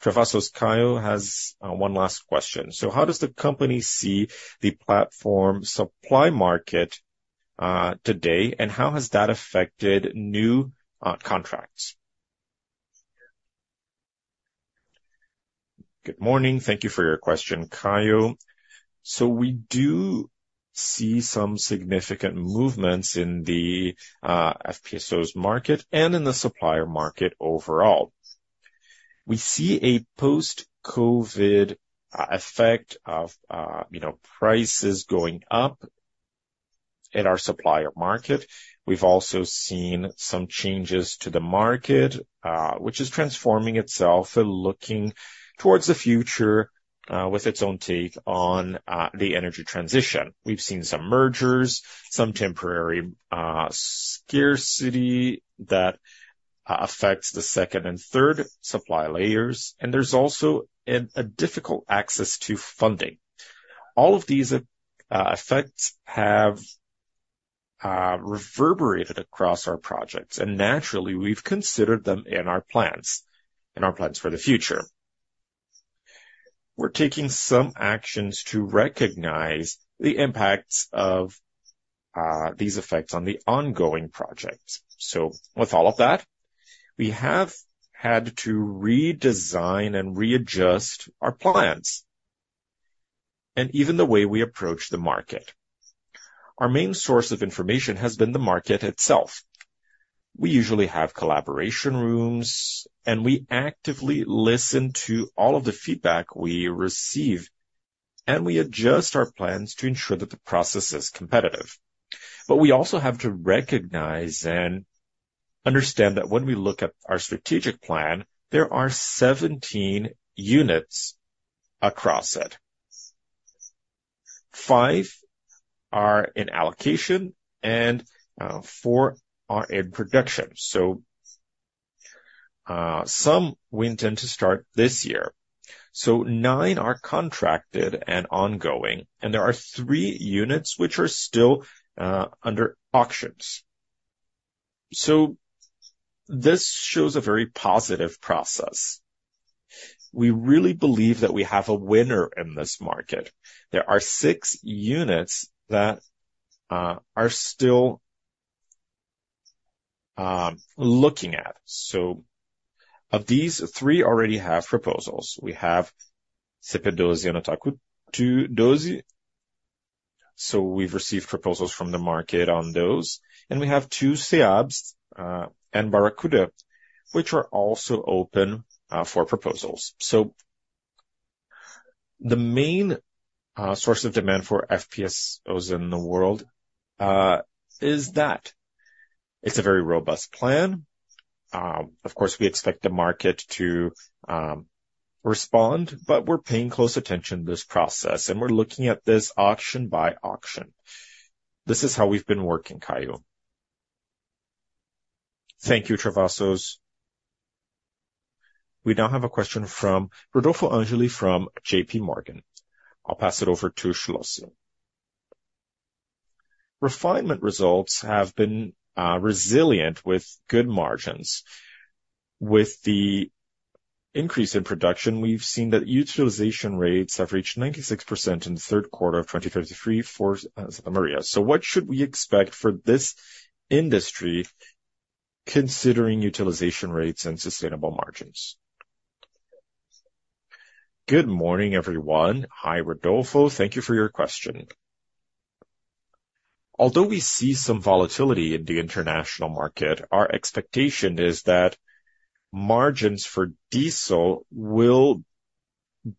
Travassos, Caio has one last question. So how does the company see the platform supply market today, and how has that affected new contracts? Good morning. Thank you for your question, Caio. So we do see some significant movements in the FPSOs market and in the supplier market overall. We see a post-COVID effect of you know, prices going up in our supplier market. We've also seen some changes to the market which is transforming itself and looking towards the future with its own take on the Energy Transition. We've seen some mergers, some temporary scarcity that affects the second and third supply layers, and there's also a difficult access to funding. All of these effects have reverberated across our projects, and naturally, we've considered them in our plans, in our plans for the future. We're taking some actions to recognize the impacts of these effects on the ongoing projects. So with all of that, we have had to redesign and readjust our plans, and even the way we approach the market. Our main source of information has been the market itself. We usually have collaboration rooms, and we actively listen to all of the feedback we receive, and we adjust our plans to ensure that the process is competitive. But we also have to recognize and understand that when we look at our strategic plan, there are 17 units across it. Five are in allocation and four are in production. So some we intend to start this year. Nine are contracted and ongoing, and there are three units which are still under auctions. This shows a very positive process. We really believe that we have a winner in this market. There are six units that are still looking at. Of these, three already have proposals. We have Sépia 2 and Atapu 2. We've received proposals from the market on those, and we have two SEAPs and Barracuda, which are also open for proposals. The main source of demand for FPSOs in the world is that. It's a very robust plan. Of course, we expect the market to respond, but we're paying close attention to this process, and we're looking at this auction by auction. This is how we've been working, Caio. Thank you, Travassos. We now have a question from Rodolfo Angele, from J.P. Morgan. I'll pass it over to Schlosser. Refining results have been resilient, with good margins. With the increase in production, we've seen that utilization rates have reached 96% in the third quarter of 2023 for the system. So what should we expect for this industry, considering utilization rates and sustainable margins? Good morning, everyone. Hi, Rodolfo. Thank you for your question. Although we see some volatility in the international market, our expectation is that margins for diesel will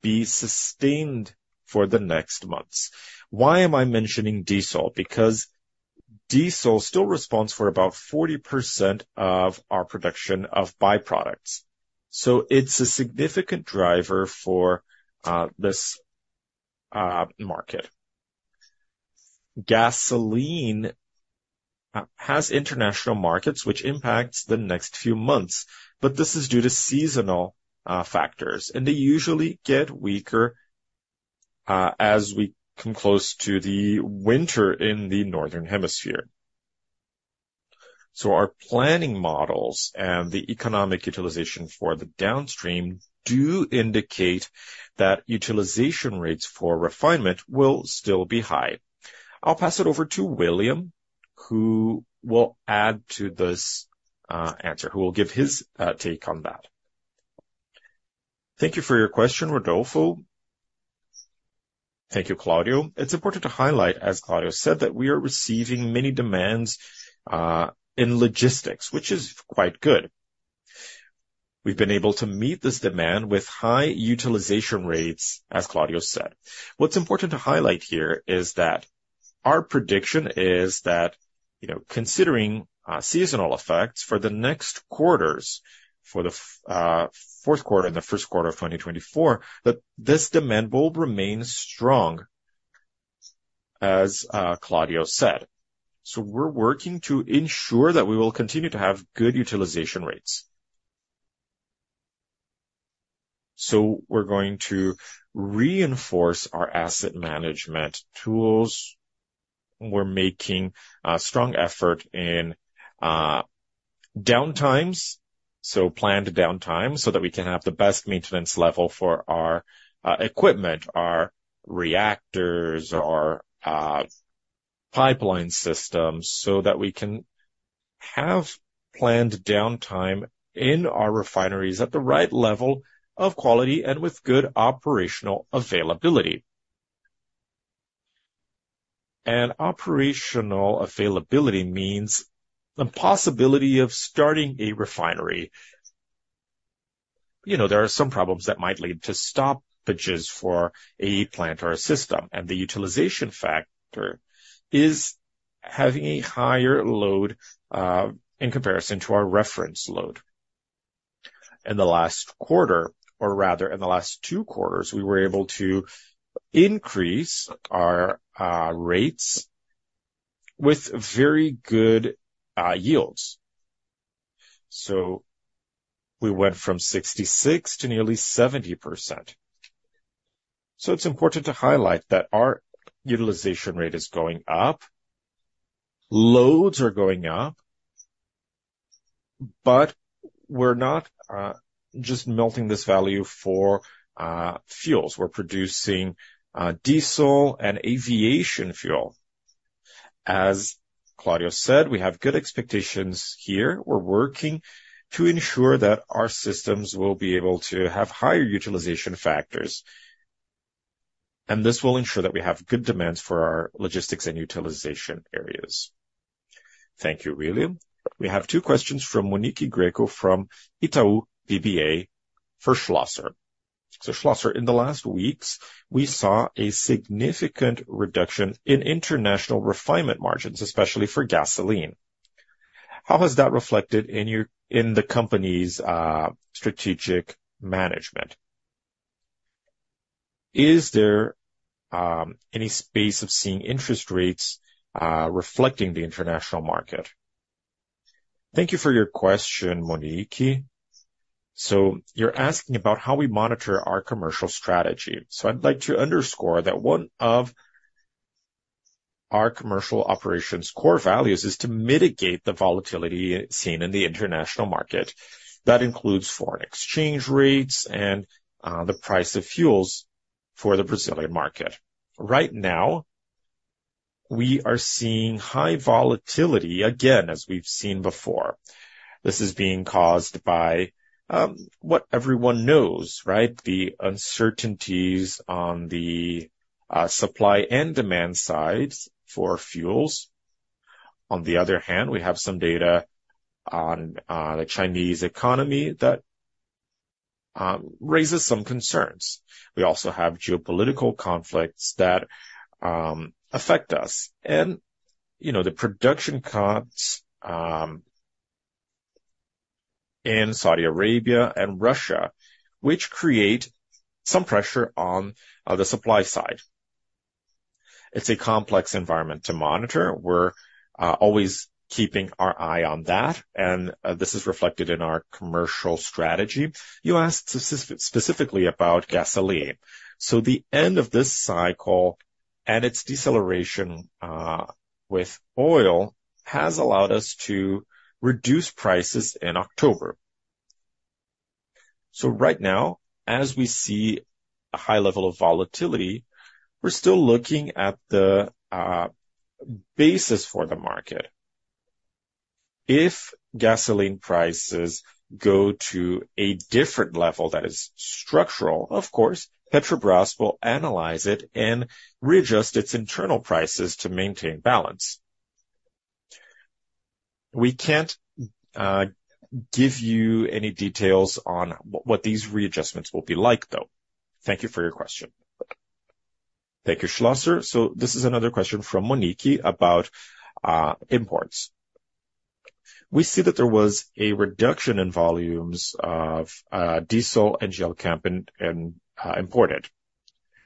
be sustained for the next months. Why am I mentioning diesel? Because diesel still accounts for about 40% of our production of byproducts, so it's a significant driver for this market. Gasoline has international markets, which impacts the next few months, but this is due to seasonal factors, and they usually get weaker as we come close to the winter in the northern hemisphere. So our planning models and the economic utilization for the downstream do indicate that utilization rates for refinement will still be high. I'll pass it over to William, who will add to this answer, who will give his take on that. Thank you for your question, Rodolfo. Thank you, Claudio. It's important to highlight, as Claudio said, that we are receiving many demands in logistics, which is quite good. We've been able to meet this demand with high utilization rates, as Claudio said. What's important to highlight here is that our prediction is that, you know, considering seasonal effects for the next quarters, for the fourth quarter and the first quarter of 2024, that this demand will remain strong, as Claudio said. So we're working to ensure that we will continue to have good utilization rates. So we're going to reinforce our asset management tools. We're making a strong effort in downtimes, so planned downtime, so that we can have the best maintenance level for our equipment, our reactors, our pipeline systems, so that we can have planned downtime in our refineries at the right level of quality and with good operational availability. And operational availability means the possibility of starting a refinery. You know, there are some problems that might lead to stoppages for a plant or a system, and the utilization factor is having a higher load, in comparison to our reference load. In the last quarter, or rather in the last two quarters, we were able to increase our rates with very good yields. So we went from 66 to nearly 70%. So it's important to highlight that our utilization rate is going up, loads are going up, but we're not just melting this value for fuels. We're producing diesel and aviation fuel. As Claudio said, we have good expectations here. We're working to ensure that our systems will be able to have higher utilization factors, and this will ensure that we have good demands for our logistics and utilization areas. Thank you, William. We have two questions from Monique Greco from Itaú BBA for Schlosser. So Schlosser, in the last weeks, we saw a significant reduction in international refining margins, especially for gasoline. How has that reflected in your, in the company's, strategic management? Is there, any space of seeing interest rates, reflecting the international market? Thank you for your question, Monique. So you're asking about how we monitor our commercial strategy. So I'd like to underscore that one of our commercial operations core values is to mitigate the volatility seen in the international market. That includes foreign exchange rates and, the price of fuels for the Brazilian market. Right now, we are seeing high volatility again, as we've seen before. This is being caused by, what everyone knows, right? The uncertainties on the, supply and demand sides for fuels. On the other hand, we have some data on the Chinese economy that raises some concerns. We also have geopolitical conflicts that affect us, and, you know, the production cuts in Saudi Arabia and Russia, which create some pressure on the supply side. It's a complex environment to monitor. We're always keeping our eye on that, and this is reflected in our commercial strategy. You asked specific, specifically about gasoline. So the end of this cycle and its deceleration with oil has allowed us to reduce prices in October. So right now, as we see a high level of volatility, we're still looking at the basis for the market. If gasoline prices go to a different level that is structural, of course, Petrobras will analyze it and readjust its internal prices to maintain balance. We can't give you any details on what these readjustments will be like, though. Thank you for your question. Thank you, Schlosser. So this is another question from Monique about imports. We see that there was a reduction in volumes of diesel and GLP and imported.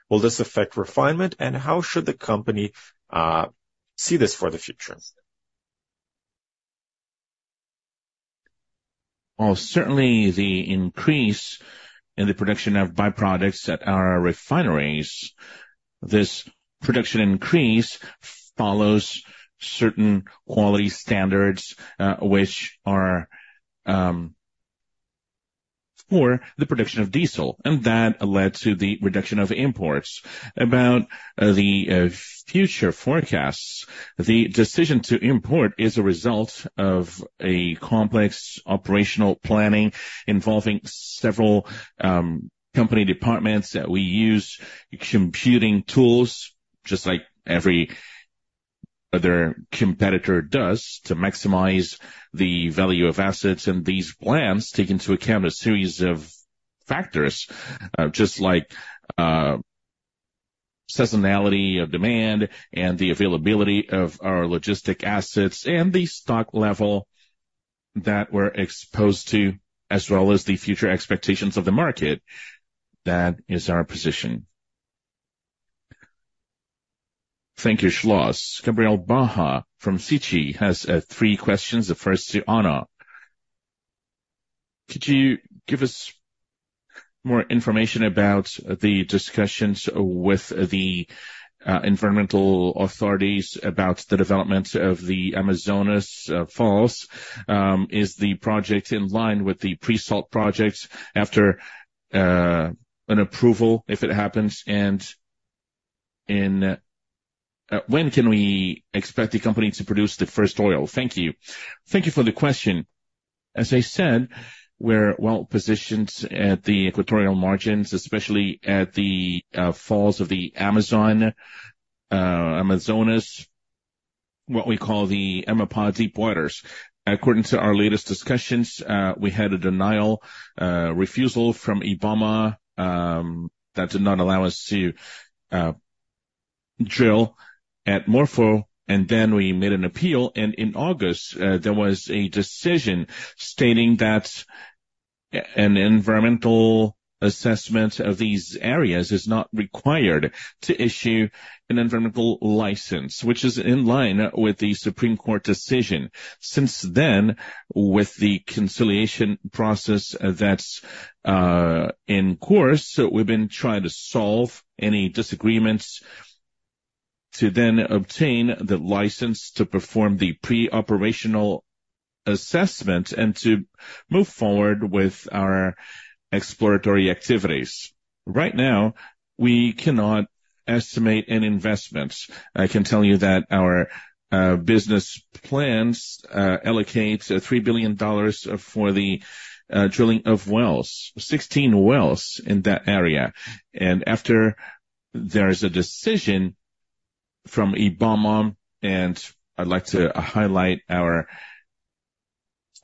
Will this affect refinement, and how should the company see this for the future? Well, certainly the increase in the production of byproducts at our refineries, this production increase follows certain quality standards, which are for the production of diesel, and that led to the reduction of imports. About the future forecasts, the decision to import is a result of a complex operational planning involving several company departments, that we use computing tools, just like every other competitor does, to maximize the value of assets. And these plans take into account a series of factors, just like seasonality of demand and the availability of our logistic assets and the stock level that we're exposed to, as well as the future expectations of the market. That is our position. Thank you, Schlosser. Gabriel Barra from Citi has three questions. The first to Ana. Could you give us more information about the discussions with the environmental authorities about the development of the Foz do Amazonas? Is the project in line with the pre-salt project after an approval, if it happens, and when can we expect the company to produce the first oil? Thank you. Thank you for the question. As I said, we're well positioned at the Equatorial Margins, especially at the Foz do Amazonas, Amazonas, what we call the Amapá Deep Waters. According to our latest discussions, we had a denial, refusal from IBAMA, that did not allow us to drill at Morpho, and then we made an appeal. And in August, there was a decision stating that an environmental assessment of these areas is not required to issue an environmental license, which is in line with the Supreme Court decision. Since then, with the conciliation process that's in course, we've been trying to solve any disagreements to then obtain the license to perform the pre-operational assessment and to move forward with our exploratory activities. Right now, we cannot estimate an investment. I can tell you that our business plans allocate $3 billion for the drilling of wells, 16 wells in that area. And after there is a decision from IBAMA, and I'd like to highlight our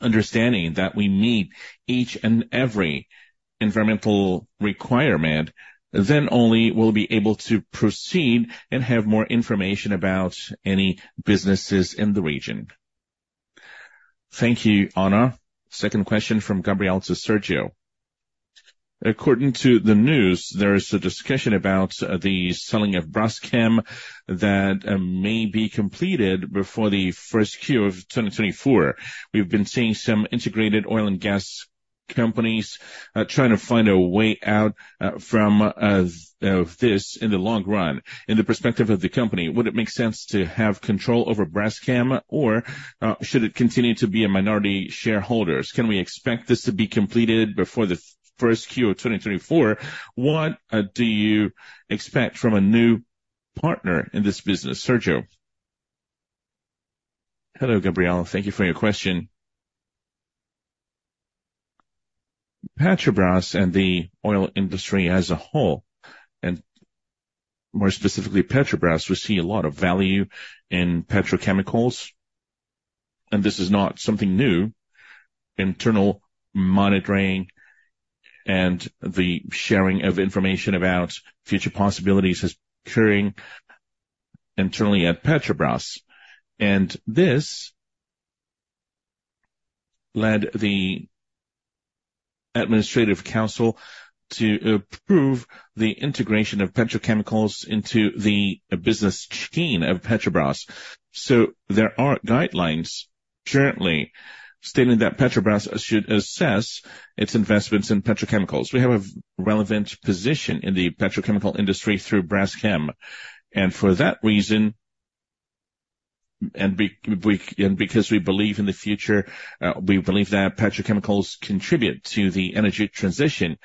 understanding that we meet each and every environmental requirement, then only we'll be able to proceed and have more information about any businesses in the region. Thank you, Ana. Second question from Gabriel to Sergio. According to the news, there is a discussion about the selling of Braskem that may be completed before the first Q of 2024. We've been seeing some integrated oil and gas companies trying to find a way out from this in the long run. In the perspective of the company, would it make sense to have control over Braskem, or should it continue to be a minority shareholder? Can we expect this to be completed before the first Q of 2024? What, do you expect from a new partner in this business, Sergio? Hello, Gabriel. Thank you for your question. Petrobras and the oil industry as a whole, and more specifically, Petrobras, we see a lot of value in petrochemicals, and this is not something new. Internal monitoring and the sharing of information about future possibilities is occurring internally at Petrobras, and this led the Administrative Council to approve the integration of petrochemicals into the business chain of Petrobras. So there are guidelines currently stating that Petrobras should assess its investments in petrochemicals. We have a relevant position in the petrochemical industry through Braskem, and for that reason, and because we believe in the future, we believe that petrochemicals contribute to the Energy Transition.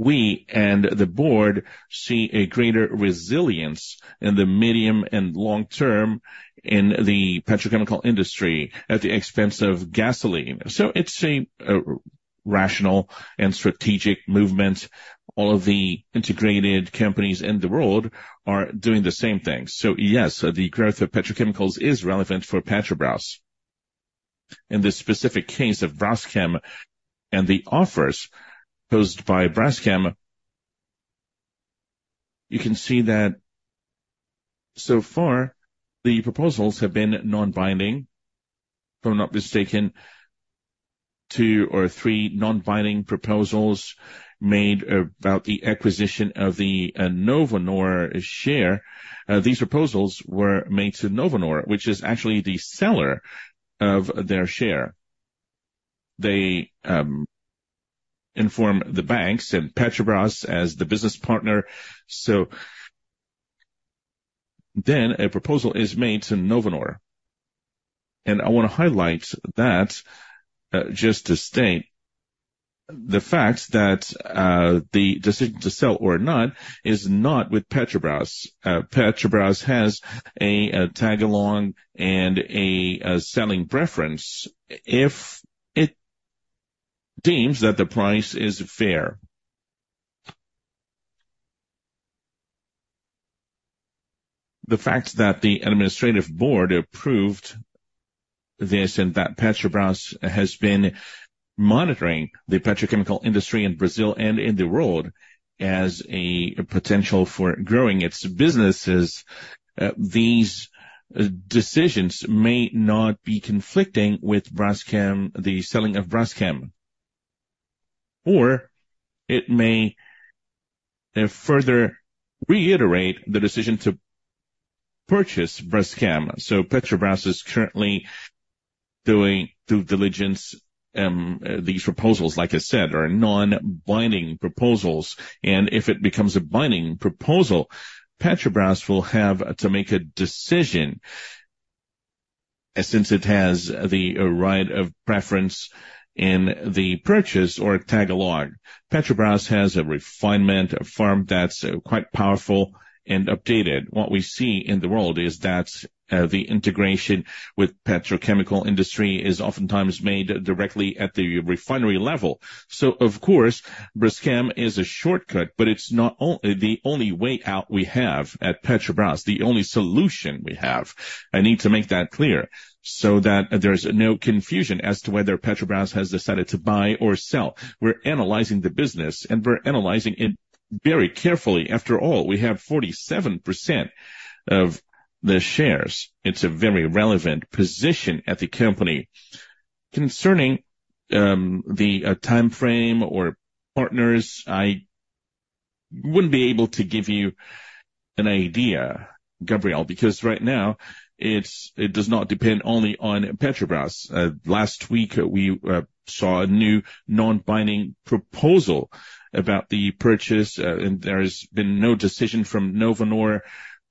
We and the board see a greater resilience in the medium and long term in the petrochemical industry at the expense of gasoline. So it's a rational and strategic movement. All of the integrated companies in the world are doing the same thing. So yes, the growth of petrochemicals is relevant for Petrobras. In this specific case of Braskem and the offers posed by Braskem, you can see that so far, the proposals have been non-binding. If I'm not mistaken, two or three non-binding proposals made about the acquisition of the Novonor share. These proposals were made to Novonor, which is actually the seller of their share. They inform the banks and Petrobras as the business partner, so then a proposal is made to Novonor. I want to highlight that, just to state the fact that, the decision to sell or not is not with Petrobras. Petrobras has a tag-along and a selling preference if it deems that the price is fair. The fact that the Administrative Board approved this and that Petrobras has been monitoring the petrochemical industry in Brazil and in the world as a potential for growing its businesses, these decisions may not be conflicting with Braskem, the selling of Braskem, or it may further reiterate the decision to purchase Braskem. So Petrobras is currently doing due diligence, these proposals, like I said, are non-binding proposals, and if it becomes a binding proposal, Petrobras will have to make a decision, since it has the right of preference in the purchase or tag-along. Petrobras has a refining firm that's quite powerful and updated. What we see in the world is that, the integration with petrochemical industry is oftentimes made directly at the refinery level. So of course, Braskem is a shortcut, but it's not the only way out we have at Petrobras, the only solution we have. I need to make that clear so that there's no confusion as to whether Petrobras has decided to buy or sell. We're analyzing the business, and we're analyzing it very carefully. After all, we have 47% of the shares. It's a very relevant position at the company. Concerning the timeframe or partners, I wouldn't be able to give you an idea, Gabriel, because right now, it does not depend only on Petrobras. Last week, we saw a new non-binding proposal about the purchase, and there has been no decision from Novonor.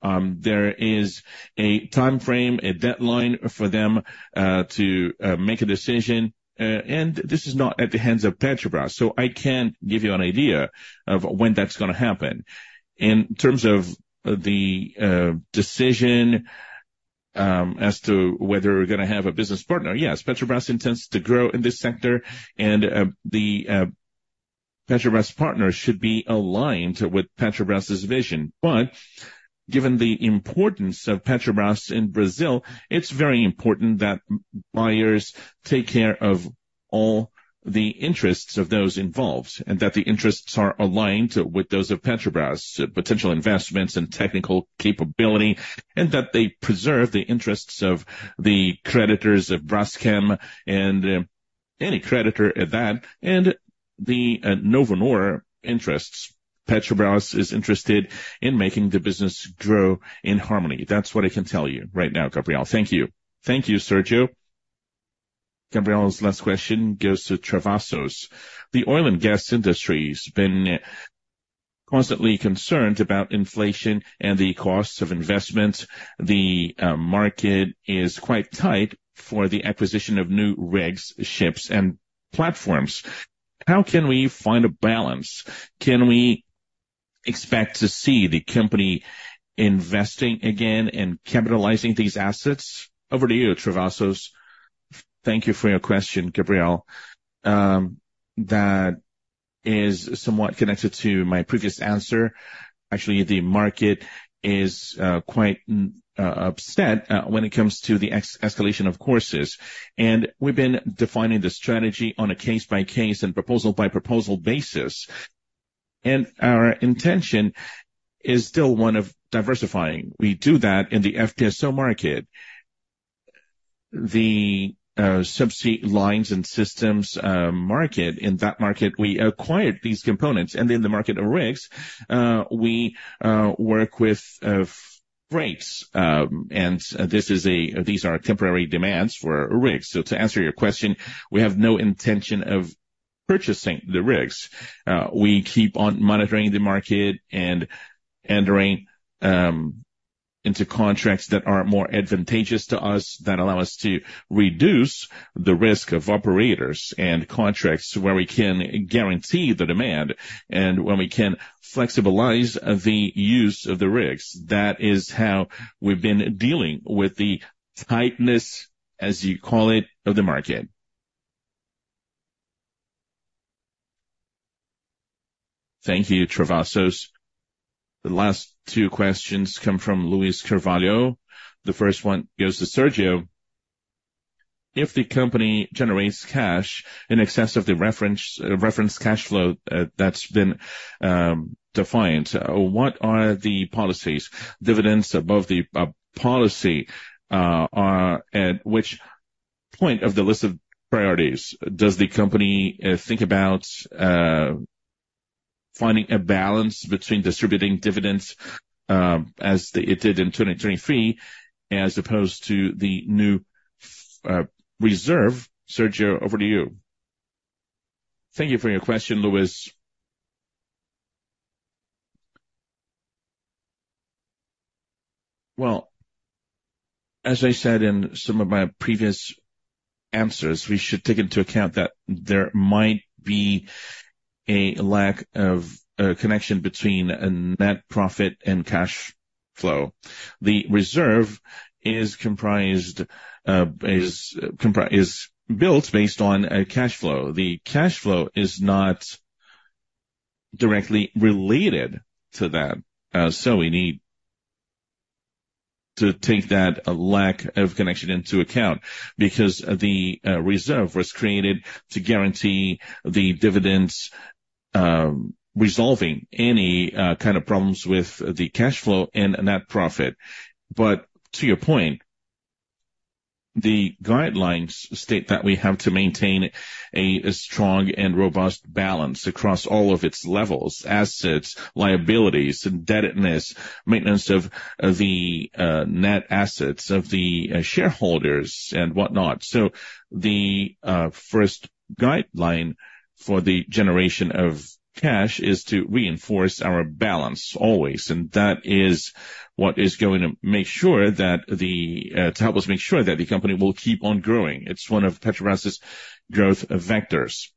There is a timeframe, a deadline for them to make a decision, and this is not at the hands of Petrobras, so I can't give you an idea of when that's gonna happen. In terms of the decision, as to whether we're gonna have a business partner, yes, Petrobras intends to grow in this sector, and Petrobras partners should be aligned with Petrobras's vision. But given the importance of Petrobras in Brazil, it's very important that buyers take care of all the interests of those involved, and that the interests are aligned with those of Petrobras, potential investments and technical capability, and that they preserve the interests of the creditors of Braskem and any creditor at that, and the Novonor interests. Petrobras is interested in making the business grow in harmony. That's what I can tell you right now, Gabriel. Thank you. Thank you, Sergio. Gabriel's last question goes to Travassos. The oil and gas industry's been constantly concerned about inflation and the costs of investment. The market is quite tight for the acquisition of new rigs, ships, and platforms. How can we find a balance? Can we expect to see the company investing again and capitalizing these assets? Over to you, Travassos. Thank you for your question, Gabriel. That is somewhat connected to my previous answer. Actually, the market is quite upset when it comes to the escalation of costs, and we've been defining the strategy on a case-by-case and proposal-by-proposal basis, and our intention is still one of diversifying. We do that in the FPSO market. The subsea lines and systems market. In that market, we acquired these components, and in the market of rigs, we work with rates. These are temporary demands for rigs. So to answer your question, we have no intention of purchasing the rigs. We keep on monitoring the market and entering into contracts that are more advantageous to us, that allow us to reduce the risk of operators and contracts where we can guarantee the demand, and when we can flexibilize the use of the rigs. That is how we've been dealing with the tightness, as you call it, of the market. Thank you, Travassos. The last two questions come from Luis Carvalho. The first one goes to Sergio. If the company generates cash in excess of the reference reference cash flow that's been defined, what are the policies dividends above the policy are, at which point of the list of priorities does the company think about finding a balance between distributing dividends as it did in 2023, as opposed to the new reserve? Sergio, over to you. Thank you for your question, Luis. Well, as I said in some of my previous answers, we should take into account that there might be a lack of a connection between a net profit and cash flow. The reserve is built based on a cash flow. The cash flow is not directly related to that. So we need to take that lack of connection into account because the reserve was created to guarantee the dividends, resolving any kind of problems with the cash flow and net profit. But to your point, the guidelines state that we have to maintain a strong and robust balance across all of its levels, assets, liabilities, indebtedness, maintenance of the net assets of the shareholders and whatnot. So the first guideline for the generation of cash is to reinforce our balance always, and that is what is going to make sure that the. To help us make sure that the company will keep on growing. It's one of Petrobras's growth vectors.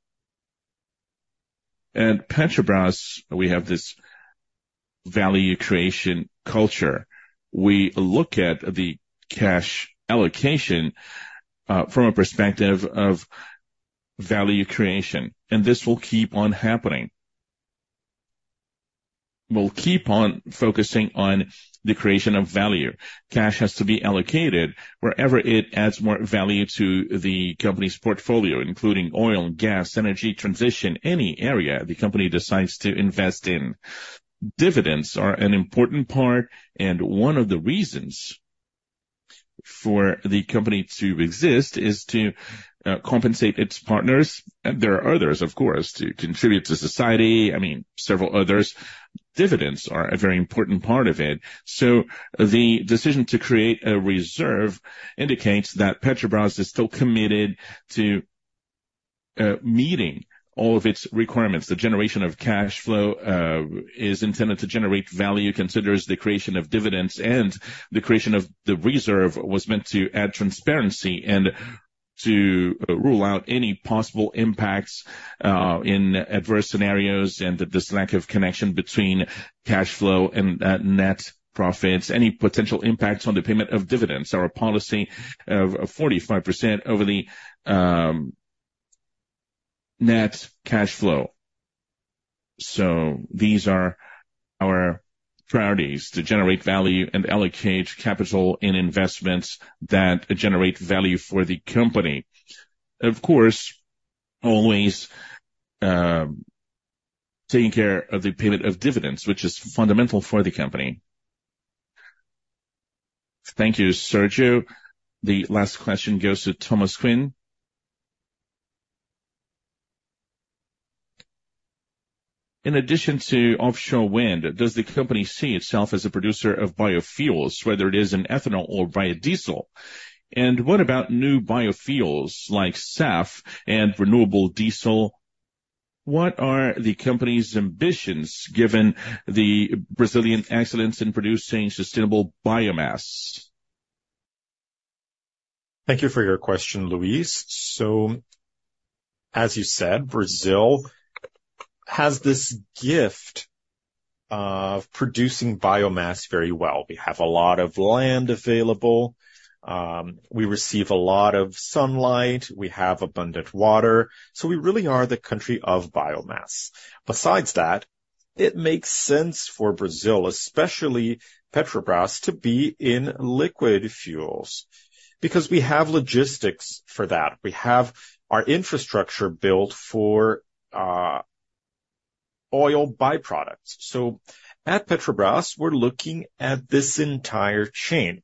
At Petrobras, we have this value creation culture. We look at the cash allocation from a perspective of value creation, and this will keep on happening. We'll keep on focusing on the creation of value. Cash has to be allocated wherever it adds more value to the company's portfolio, including oil, gas, energy, transition, any area the company decides to invest in. Dividends are an important part, and one of the reasons for the company to exist is to compensate its partners. There are others, of course, to contribute to society. I mean, several others. Dividends are a very important part of it. So the decision to create a reserve indicates that Petrobras is still committed to meeting all of its requirements. The generation of cash flow is intended to generate value, considers the creation of dividends, and the creation of the reserve was meant to add transparency and to rule out any possible impacts in adverse scenarios, and this lack of connection between cash flow and net profits. Any potential impacts on the payment of dividends are a policy of 45% over the net cash flow. So these are our priorities: to generate value and allocate capital in investments that generate value for the company. Of course, always, taking care of the payment of dividends, which is fundamental for the company. Thank you, Sergio. The last question goes to Tolmasquim. In addition to offshore wind, does the company see itself as a producer of biofuels, whether it is in ethanol or biodiesel? And what about new biofuels like SAF and renewable diesel? What are the company's ambitions, given the Brazilian excellence in producing sustainable biomass? Thank you for your question, Luis. So, as you said, Brazil has this gift of producing biomass very well. We have a lot of land available, we receive a lot of sunlight, we have abundant water, so we really are the country of biomass. Besides that, it makes sense for Brazil, especially Petrobras, to be in liquid fuels, because we have logistics for that. We have our infrastructure built for oil byproducts. So at Petrobras, we're looking at this entire chain.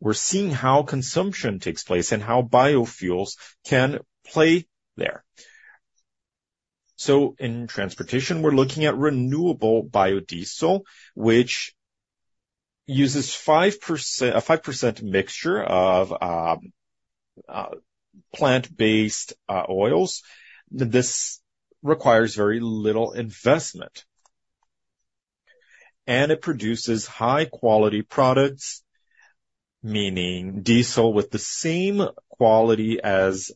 We're seeing how consumption takes place and how biofuels can play there. So in transportation, we're looking at renewable biodiesel, which uses a 5% mixture of plant-based oils. This requires very little investment, and it produces high quality products, meaning diesel with the same quality as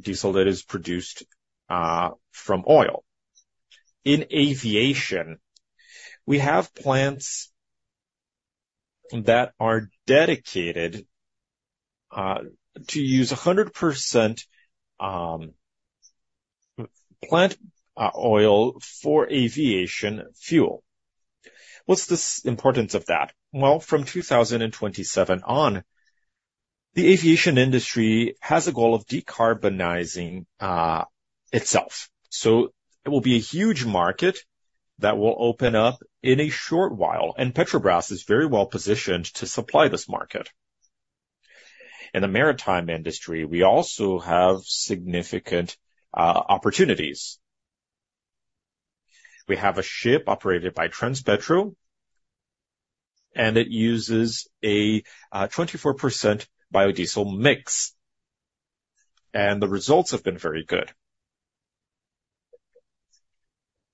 diesel that is produced from oil. In aviation, we have plants that are dedicated to use 100% plant oil for aviation fuel. What's the importance of that? Well, from 2027 on, the aviation industry has a goal of decarbonizing itself, so it will be a huge market that will open up in a short while, and Petrobras is very well positioned to supply this market. In the maritime industry, we also have significant opportunities. We have a ship operated by Transpetro, and it uses a 24% biodiesel mix, and the results have been very good.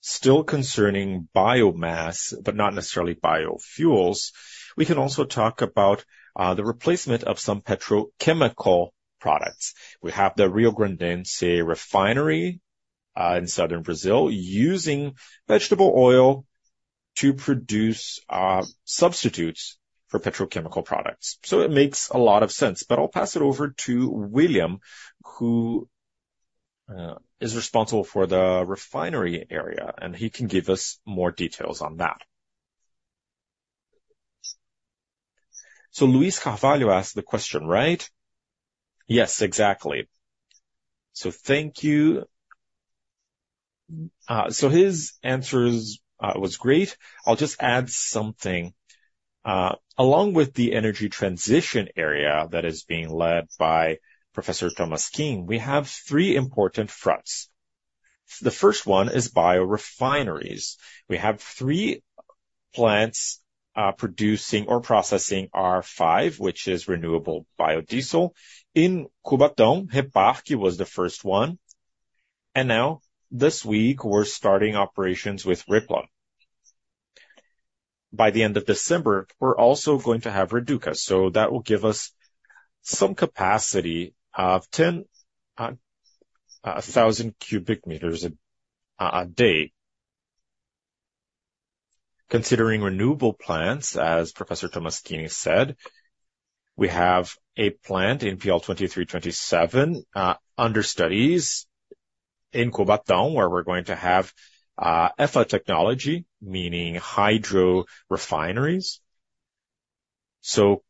Still concerning biomass, but not necessarily biofuels, we can also talk about the replacement of some petrochemical products. We have the Riograndense Refinery in southern Brazil, using vegetable oil to produce substitutes for petrochemical products. So it makes a lot of sense. But I'll pass it over to William, who is responsible for the refinery area, and he can give us more details on that. So Luis Carvalho asked the question, right? Yes, exactly. So thank you. So his answers was great. I'll just add something. Along with the Energy Transition area that is being led by Professor Tolmasquim, we have three important fronts. The first one is biorefineries. We have three plants producing or processing R-5, which is renewable biodiesel. In Cubatão, REPAR was the first one, and now this week, we're starting operations with REPLAN. By the end of December, we're also going to have REDUC, so that will give us some capacity of 10,000 cubic meters a day. Considering renewable plants, as Professor Tolmasquim said, we have a plant in RPBC under studies in Cubatão, where we're going to have HEFA technology, meaning hydro refineries. So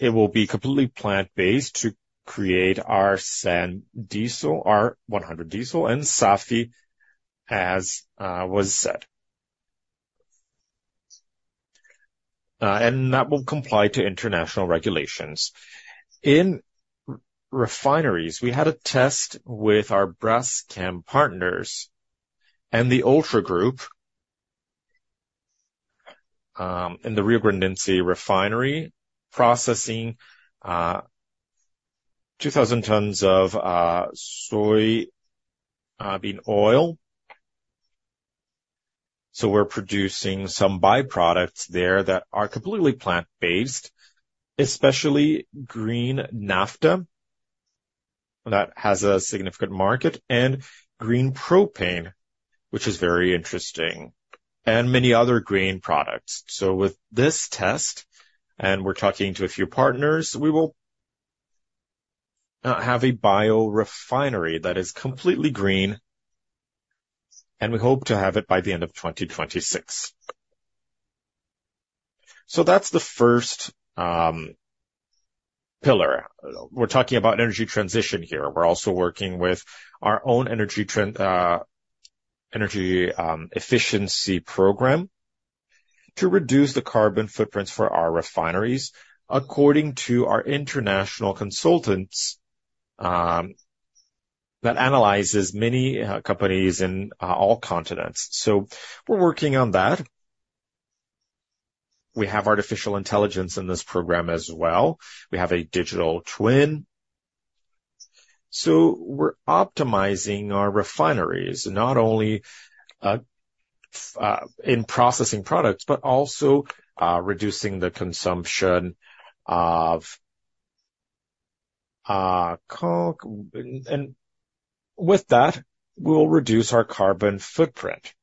it will be completely plant-based to create our S-10 diesel, our 100 diesel, and SAF, as was said. And that will comply to international regulations. In refineries, we had a test with our Braskem partners and the Unigel in the Riograndense Refinery, processing 2,000 tons of soybean oil. So we're producing some byproducts there that are completely plant-based, especially green naphtha, that has a significant market, and green propane, which is very interesting, and many other green products. So with this test, and we're talking to a few partners, we will have a biorefinery that is completely green, and we hope to have it by the end of 2026. So that's the first pillar. We're talking about Energy Transition here. We're also working with our own Energy Transition, energy efficiency program to reduce the carbon footprints for our refineries, according to our international consultants that analyzes many companies in all continents. So we're working on that. We have artificial intelligence in this program as well. We have a digital twin, so we're optimizing our refineries, not only in processing products, but also reducing the consumption of. And with that, we'll reduce our carbon footprint.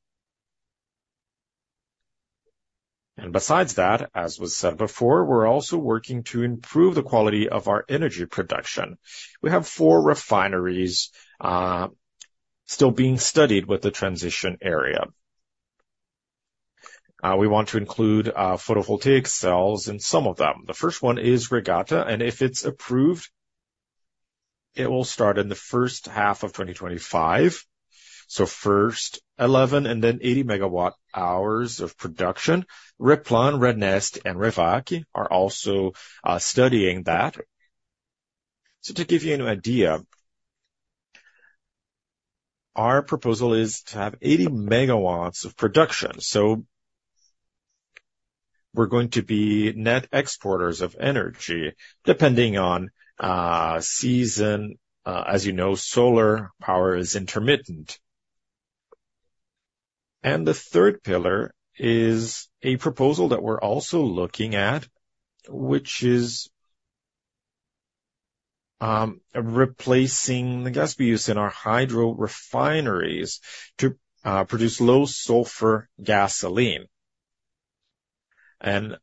And besides that, as was said before, we're also working to improve the quality of our energy production. We have four refineries still being studied with the transition area. We want to include photovoltaic cells in some of them. The first one is REGAP, and if it's approved, it will start in the first half of 2025. So first 11, and then 80 megawatt hours of production. REPLAN, RNEST, and REVAP are also studying that. So to give you an idea, our proposal is to have 80 megawatts of production, so we're going to be net exporters of energy, depending on season. As you know, solar power is intermittent. And the third pillar is a proposal that we're also looking at, which is replacing the gas we use in our hydro refineries to produce low sulfur gasoline. And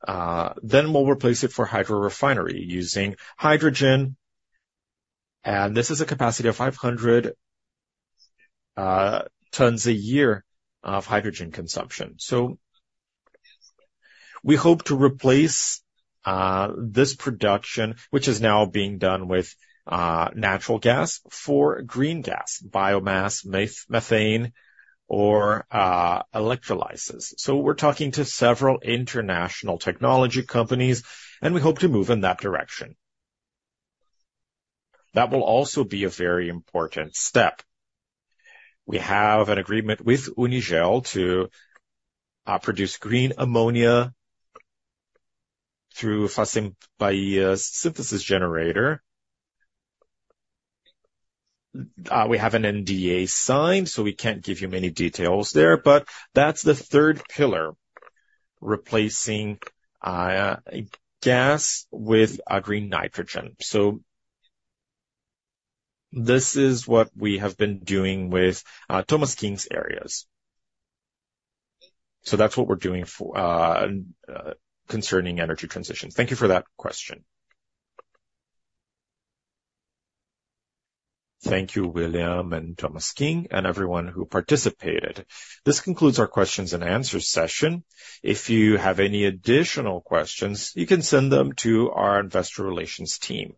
then we'll replace it for hydro refinery using hydrogen. This is a capacity of 500 tons a year of hydrogen consumption. So we hope to replace this production, which is now being done with natural gas for green gas, biomass, methane, or electrolysis. So we're talking to several international technology companies, and we hope to move in that direction. That will also be a very important step. We have an agreement with Unigel to produce green ammonia through Fafen Bahia's synthesis generator. We have an NDA signed, so we can't give you many details there, but that's the third pillar, replacing gas with green nitrogen. So this is what we have been doing with Tolmasquim's areas. So that's what we're doing concerning Energy Transition. Thank you for that question. Thank you, William Tolmasquim, and everyone who participated. This concludes our questions and answer session. If you have any additional questions, you can send them to our investor relations team.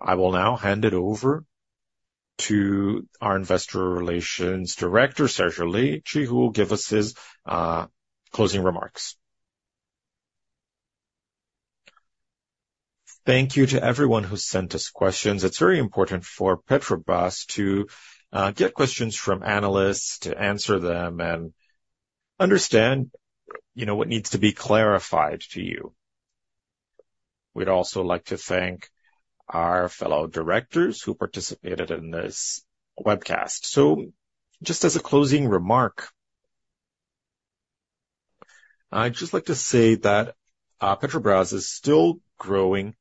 I will now hand it over to our Investor Relations Director, Sergio Leite. He will give us his closing remarks. Thank you to everyone who sent us questions. It's very important for Petrobras to get questions from analysts, to answer them and understand, you know, what needs to be clarified to you. We'd also like to thank our fellow directors who participated in this webcast. Just as a closing remark, I'd just like to say that Petrobras is still growing.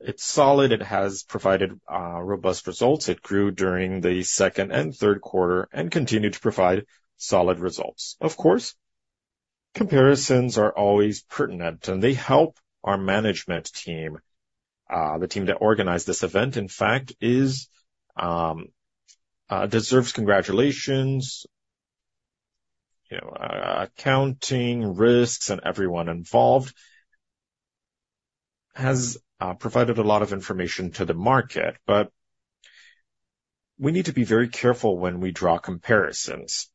It's solid, it has provided robust results. It grew during the second and third quarter and continued to provide solid results. Of course, comparisons are always pertinent, and they help our management team. The team that organized this event, in fact, deserves congratulations. You know, accounting, risks, and everyone involved has provided a lot of information to the market, but we need to be very careful when we draw comparisons.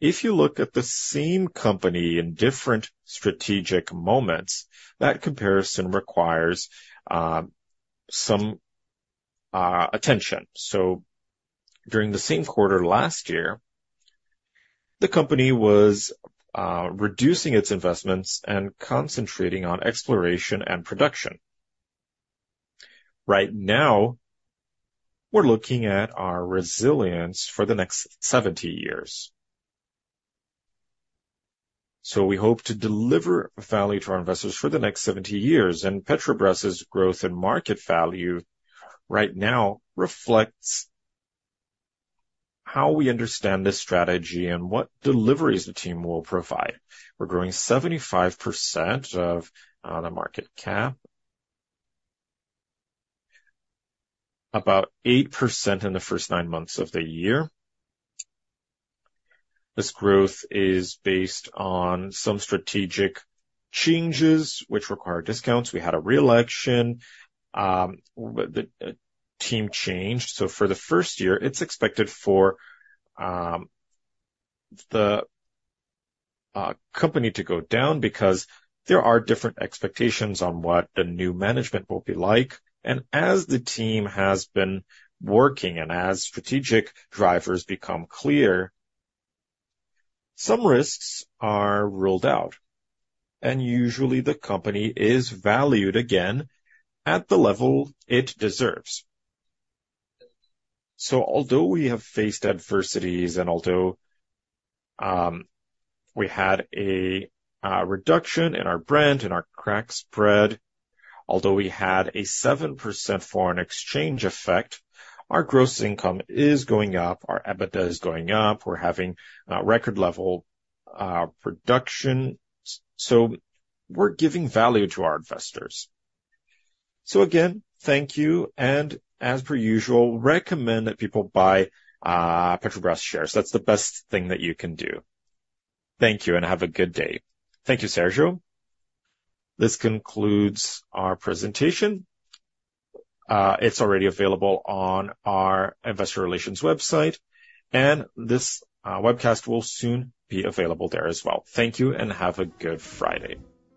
If you look at the same company in different strategic moments, that comparison requires some attention. So during the same quarter last year, the company was reducing its investments and concentrating on exploration and production. Right now, we're looking at our resilience for the next 70 years. So we hope to deliver value to our investors for the next 70 years. And Petrobras' growth and market value right now reflects how we understand this strategy and what deliveries the team will provide. We're growing 75% of on a market cap, about 8% in the first nine months of the year. This growth is based on some strategic changes which require discounts. We had a re-election, but the team changed. So for the first year, it's expected for the company to go down because there are different expectations on what the new management will be like. As the team has been working and as strategic drivers become clear, some risks are ruled out, and usually the company is valued again at the level it deserves. So although we have faced adversities, and although we had a reduction in our brand, in our crack spread, although we had a 7% foreign exchange effect, our gross income is going up, our EBITDA is going up. We're having record level production, so we're giving value to our investors. So again, thank you, and as per usual, recommend that people buy Petrobras shares. That's the best thing that you can do. Thank you, and have a good day. Thank you, Sergio. This concludes our presentation. It's already available on our investor relations website, and this webcast will soon be available there as well. Thank you and have a good Friday.